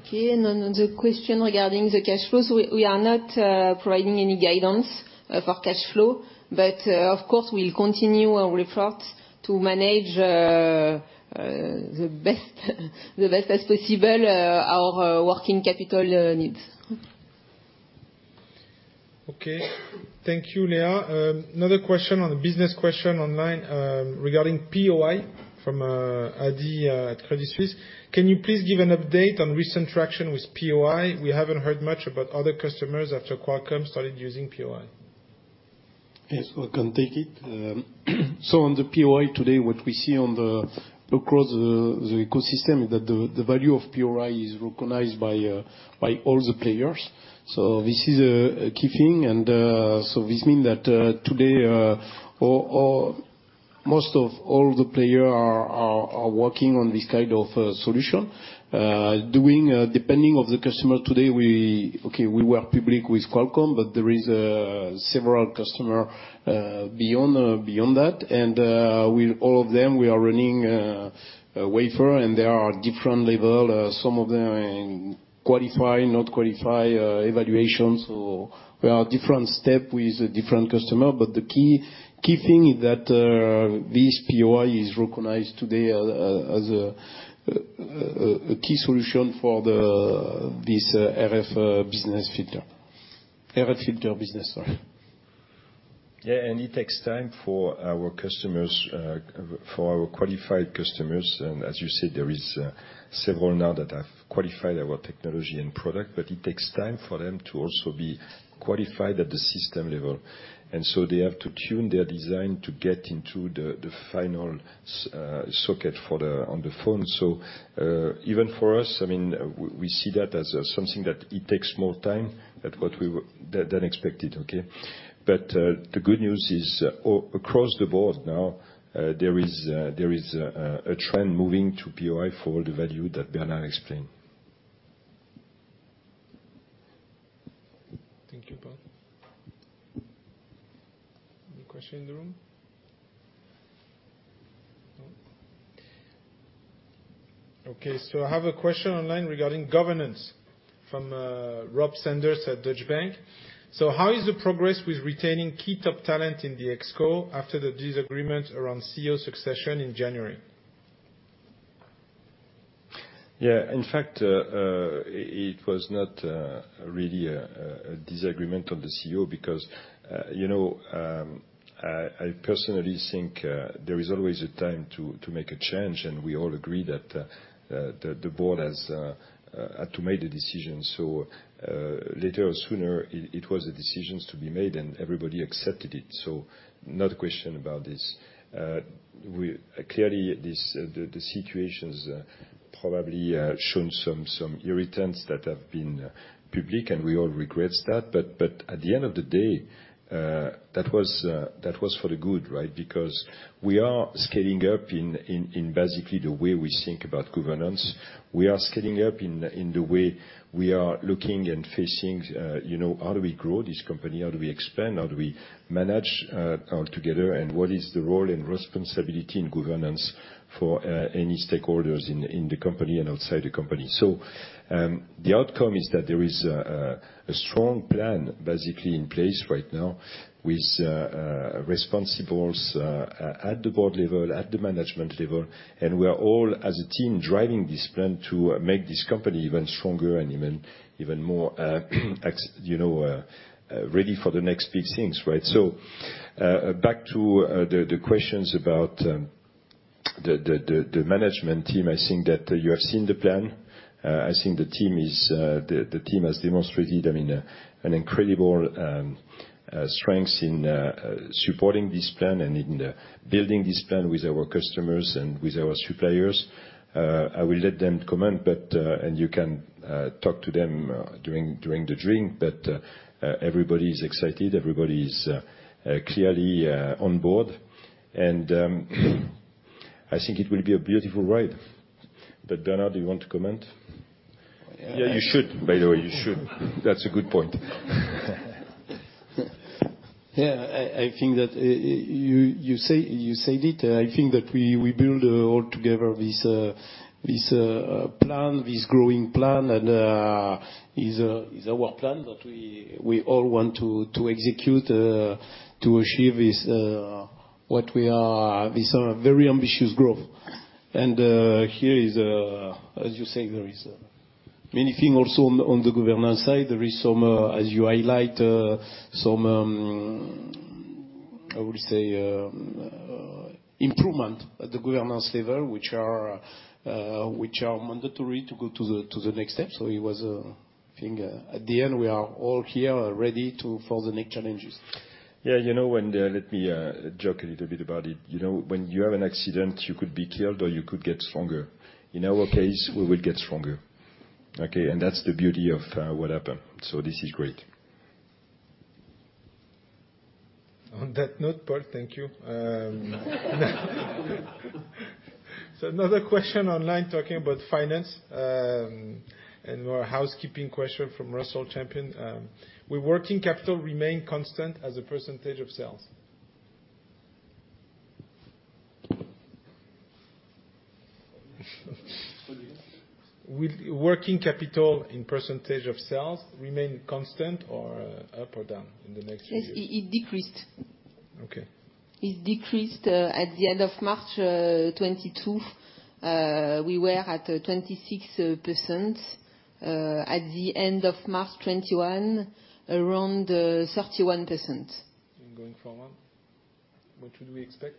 Okay. On the question regarding the cash flows, we are not providing any guidance for cash flow. Of course, we'll continue our efforts to manage the best as possible our working capital needs. Okay. Thank you, Léa. Another question on business question online, regarding POI from Adi at Credit Suisse. Can you please give an update on recent traction with POI? We haven't heard much about other customers after Qualcomm started using POI. Yes, I can take it. On the POI today, what we see across the ecosystem is that the value of POI is recognized by all the players. This is a key thing. This means that today most of all the players are working on this kind of solution. Depending on the customer today, we work publicly with Qualcomm, but there are several customers beyond that. All of them, we are running a wafer, and there are different levels. Some of them are in qualification, not qualification, evaluation. We are at different steps with different customers. The key thing is that this POI is recognized today as a key solution for this RF filter business. Sorry. It takes time for our customers, for our qualified customers, and as you said, there is several now that have qualified our technology and product, but it takes time for them to also be qualified at the system level. They have to tune their design to get into the final socket for the phone. Even for us, I mean, we see that as something that it takes more time than expected, okay? The good news is, across the board now, there is a trend moving to POI for the value that Bernard explained. Thank you, Paul. Any question in the room? No. Okay, so I have a question online regarding governance from Robert Sanders at Deutsche Bank. How is the progress with retaining key top talent in the ExCo after the disagreement around CEO succession in January? Yeah. In fact, it was not really a disagreement on the CEO because, you know, I personally think there is always a time to make a change, and we all agree that the board has to make a decision. Later or sooner, it was a decision to be made, and everybody accepted it. Not a question about this. Clearly, the situation's probably shown some irritants that have been public, and we all regret that. At the end of the day, that was for the good, right? Because we are scaling up in basically the way we think about governance. We are scaling up in the way we are looking and facing, you know, how do we grow this company? How do we expand? How do we manage all together? What is the role and responsibility in governance for any stakeholders in the company and outside the company? The outcome is that there is a strong plan basically in place right now with responsibilities at the board level, at the management level, and we are all as a team driving this plan to make this company even stronger and even more ready for the next big things, right? Back to the management team. I think that you have seen the plan. I think the team has demonstrated, I mean, an incredible strengths in supporting this plan and in building this plan with our customers and with our suppliers. I will let them comment, but and you can talk to them during the drink. Everybody is excited, everybody is clearly on board. I think it will be a beautiful ride. Bernard, do you want to comment? Yeah. You should, by the way. That's a good point. Yeah. I think that you said it. I think that we build all together this growing plan, and is our plan that we all want to execute to achieve is what we are, this very ambitious growth. Here is, as you say, there is many things also on the governance side. There is some, as you highlight, I would say, improvement at the governance level, which are mandatory to go to the next step. It was, I think, at the end, we are all here ready for the next challenges. Yeah. You know, let me joke a little bit about it. You know, when you have an accident, you could be killed or you could get stronger. In our case, we will get stronger, okay? That's the beauty of what happened. This is great. On that note, Paul, thank you. Another question online, talking about finance, and more housekeeping question from Russell Champion. Will working capital remain constant as a percentage of sales? Say again. Will working capital in percentage of sales remain constant or up or down in the next years? It decreased. Okay. It decreased at the end of March 2022. We were at 26%. At the end of March 2021, around 31%. Going forward, what should we expect?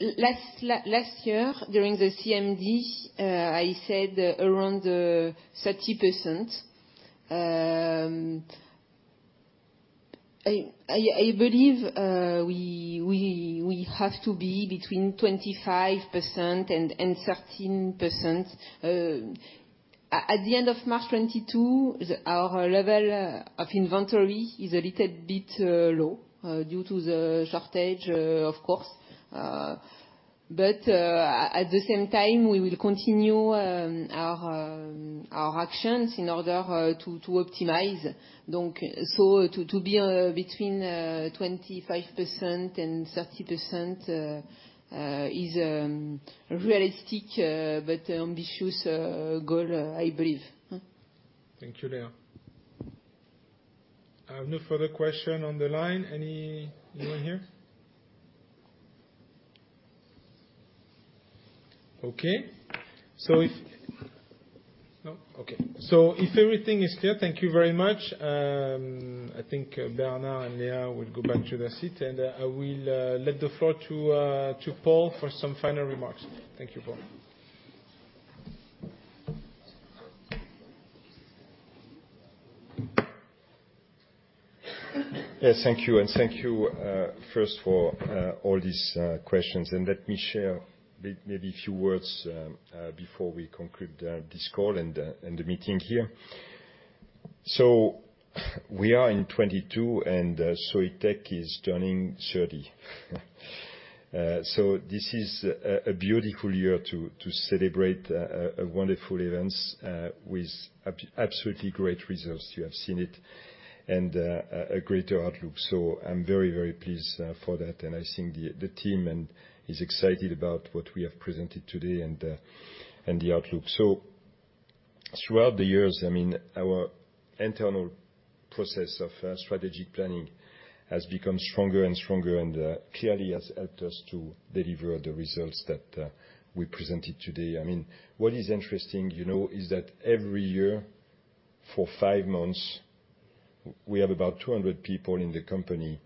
Last year, during the CMD, I said around 30%. I believe we have to be between 25% and 13%. At the end of March 2022, our level of inventory is a little bit low due to the shortage, of course. At the same time, we will continue our actions in order to optimize. To be between 25% and 30% is realistic but ambitious goal, I believe. Thank you, Léa. I have no further question on the line. Anyone here? Okay. No? Okay. If everything is clear, thank you very much. I think Bernard and Léa will go back to their seat, and I will let the floor to Paul for some final remarks. Thank you, Paul. Yes, thank you. Thank you first for all these questions. Let me share maybe a few words before we conclude this call and the meeting here. We are in 2022, and Soitec is turning 30. This is a beautiful year to celebrate a wonderful events with absolutely great results. You have seen it and a greater outlook. I'm very pleased for that. I think the team is excited about what we have presented today and the outlook. Throughout the years, I mean, our internal process of strategic planning has become stronger and stronger and clearly has helped us to deliver the results that we presented today. I mean, what is interesting, you know, is that every year for five months, we have about 200 people in the company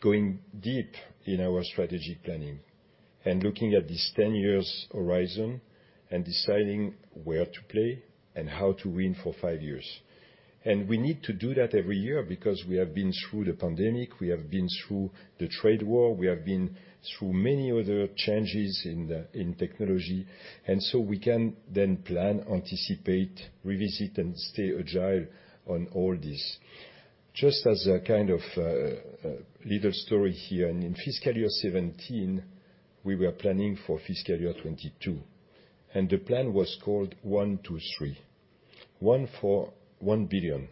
going deep in our strategic planning and looking at this 10-year horizon and deciding where to play and how to win for five years. We need to do that every year because we have been through the pandemic, we have been through the trade war, we have been through many other changes in technology. We can then plan, anticipate, revisit, and stay agile on all this. Just as a kind of little story here, in FY 2017 we were planning for FY 2022, and the plan was called One Two Three. One for 1 billion.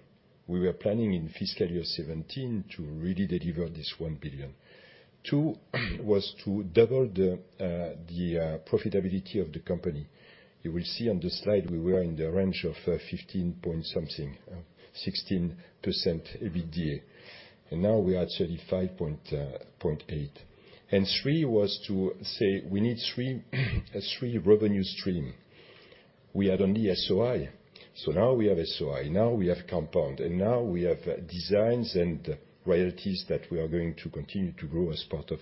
We were planning in FY 2017 to really deliver this 1 billion. Two was to double the profitability of the company. You will see on the slide we were in the range of 15-something, 16% EBITDA, and now we're at 35.8. Three was to say we need three revenue streams. We had only SOI. Now we have SOI, now we have compound, and now we have designs and royalties that we are going to continue to grow as part of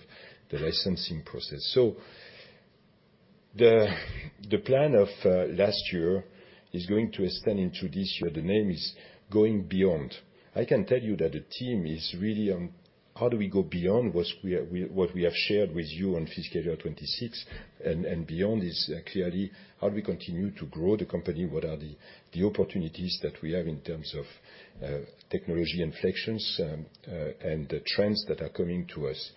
the licensing process. The plan of last year is going to extend into this year. The name is Going Beyond. I can tell you that the team is really on how do we go beyond what we have shared with you on fiscal year 26, and beyond is clearly how do we continue to grow the company, what are the opportunities that we have in terms of technology inflections, and the trends that are coming to us.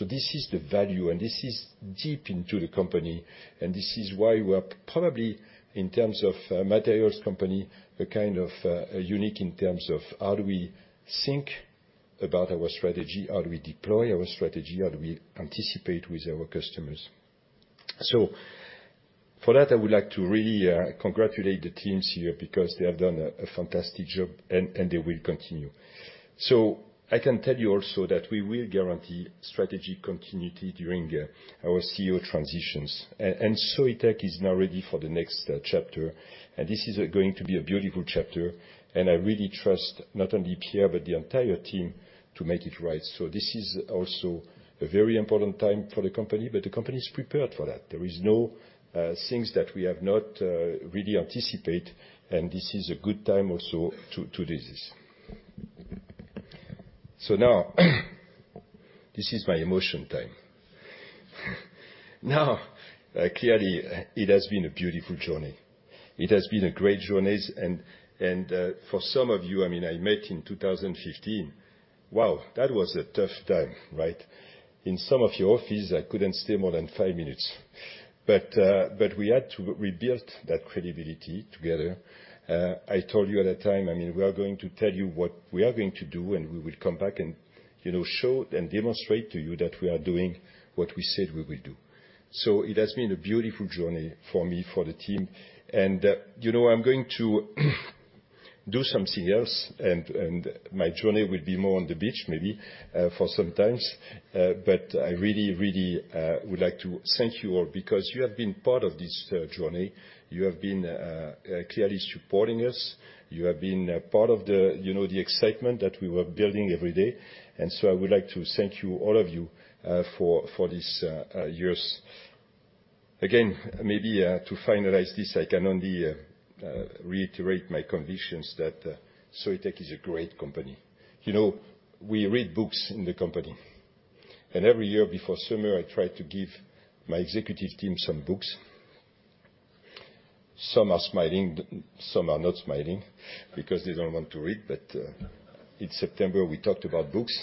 This is the value, and this is deep into the company, and this is why we are probably, in terms of materials company, a kind of unique in terms of how do we think about our strategy, how do we deploy our strategy, how do we anticipate with our customers. For that, I would like to really congratulate the teams here because they have done a fantastic job and they will continue. I can tell you also that we will guarantee strategy continuity during our CEO transitions. Soitec is now ready for the next chapter, and this is going to be a beautiful chapter. I really trust not only Pierre, but the entire team to make it right. This is also a very important time for the company, but the company is prepared for that. There is no things that we have not really anticipate, and this is a good time also to do this. Now this is my emotion time. Now, clearly, it has been a beautiful journey. It has been a great journey. For some of you, I mean, I met in 2015. Wow, that was a tough time, right. In some of your offices, I couldn't stay more than five minutes. We had to rebuild that credibility together. I told you at that time, I mean, we are going to tell you what we are going to do, and we will come back and, you know, show and demonstrate to you that we are doing what we said we will do. It has been a beautiful journey for me, for the team. You know, I'm going to do something else, and my journey will be more on the beach maybe, for some times. I really would like to thank you all because you have been part of this journey. You have been clearly supporting us. You have been part of the, you know, the excitement that we were building every day. I would like to thank you, all of you, for these years. Again, maybe to finalize this, I can only reiterate my convictions that Soitec is a great company. You know, we read books in the company, and every year before summer, I try to give my executive team some books. Some are smiling, some are not smiling because they don't want to read. In September, we talked about books.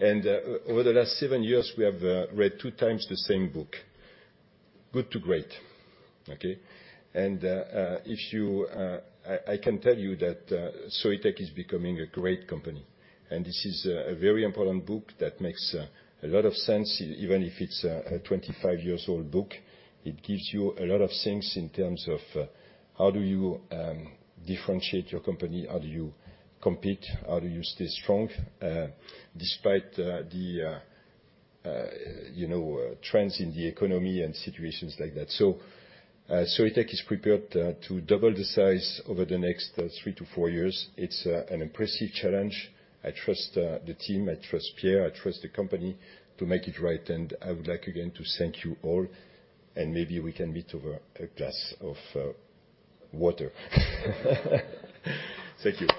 Over the last seven years, we have read 2x the same book, Good to Great. Okay. If you, I can tell you that Soitec is becoming a great company, and this is a very important book that makes a lot of sense. Even if it's a 25-year-old book, it gives you a lot of things in terms of how do you differentiate your company? How do you compete? How do you stay strong despite the you know, trends in the economy and situations like that? Soitec is prepared to double the size over the next three to four years. It's an impressive challenge. I trust the team, I trust Pierre, I trust the company to make it right. I would like, again, to thank you all, and maybe we can meet over a glass of water. Thank you.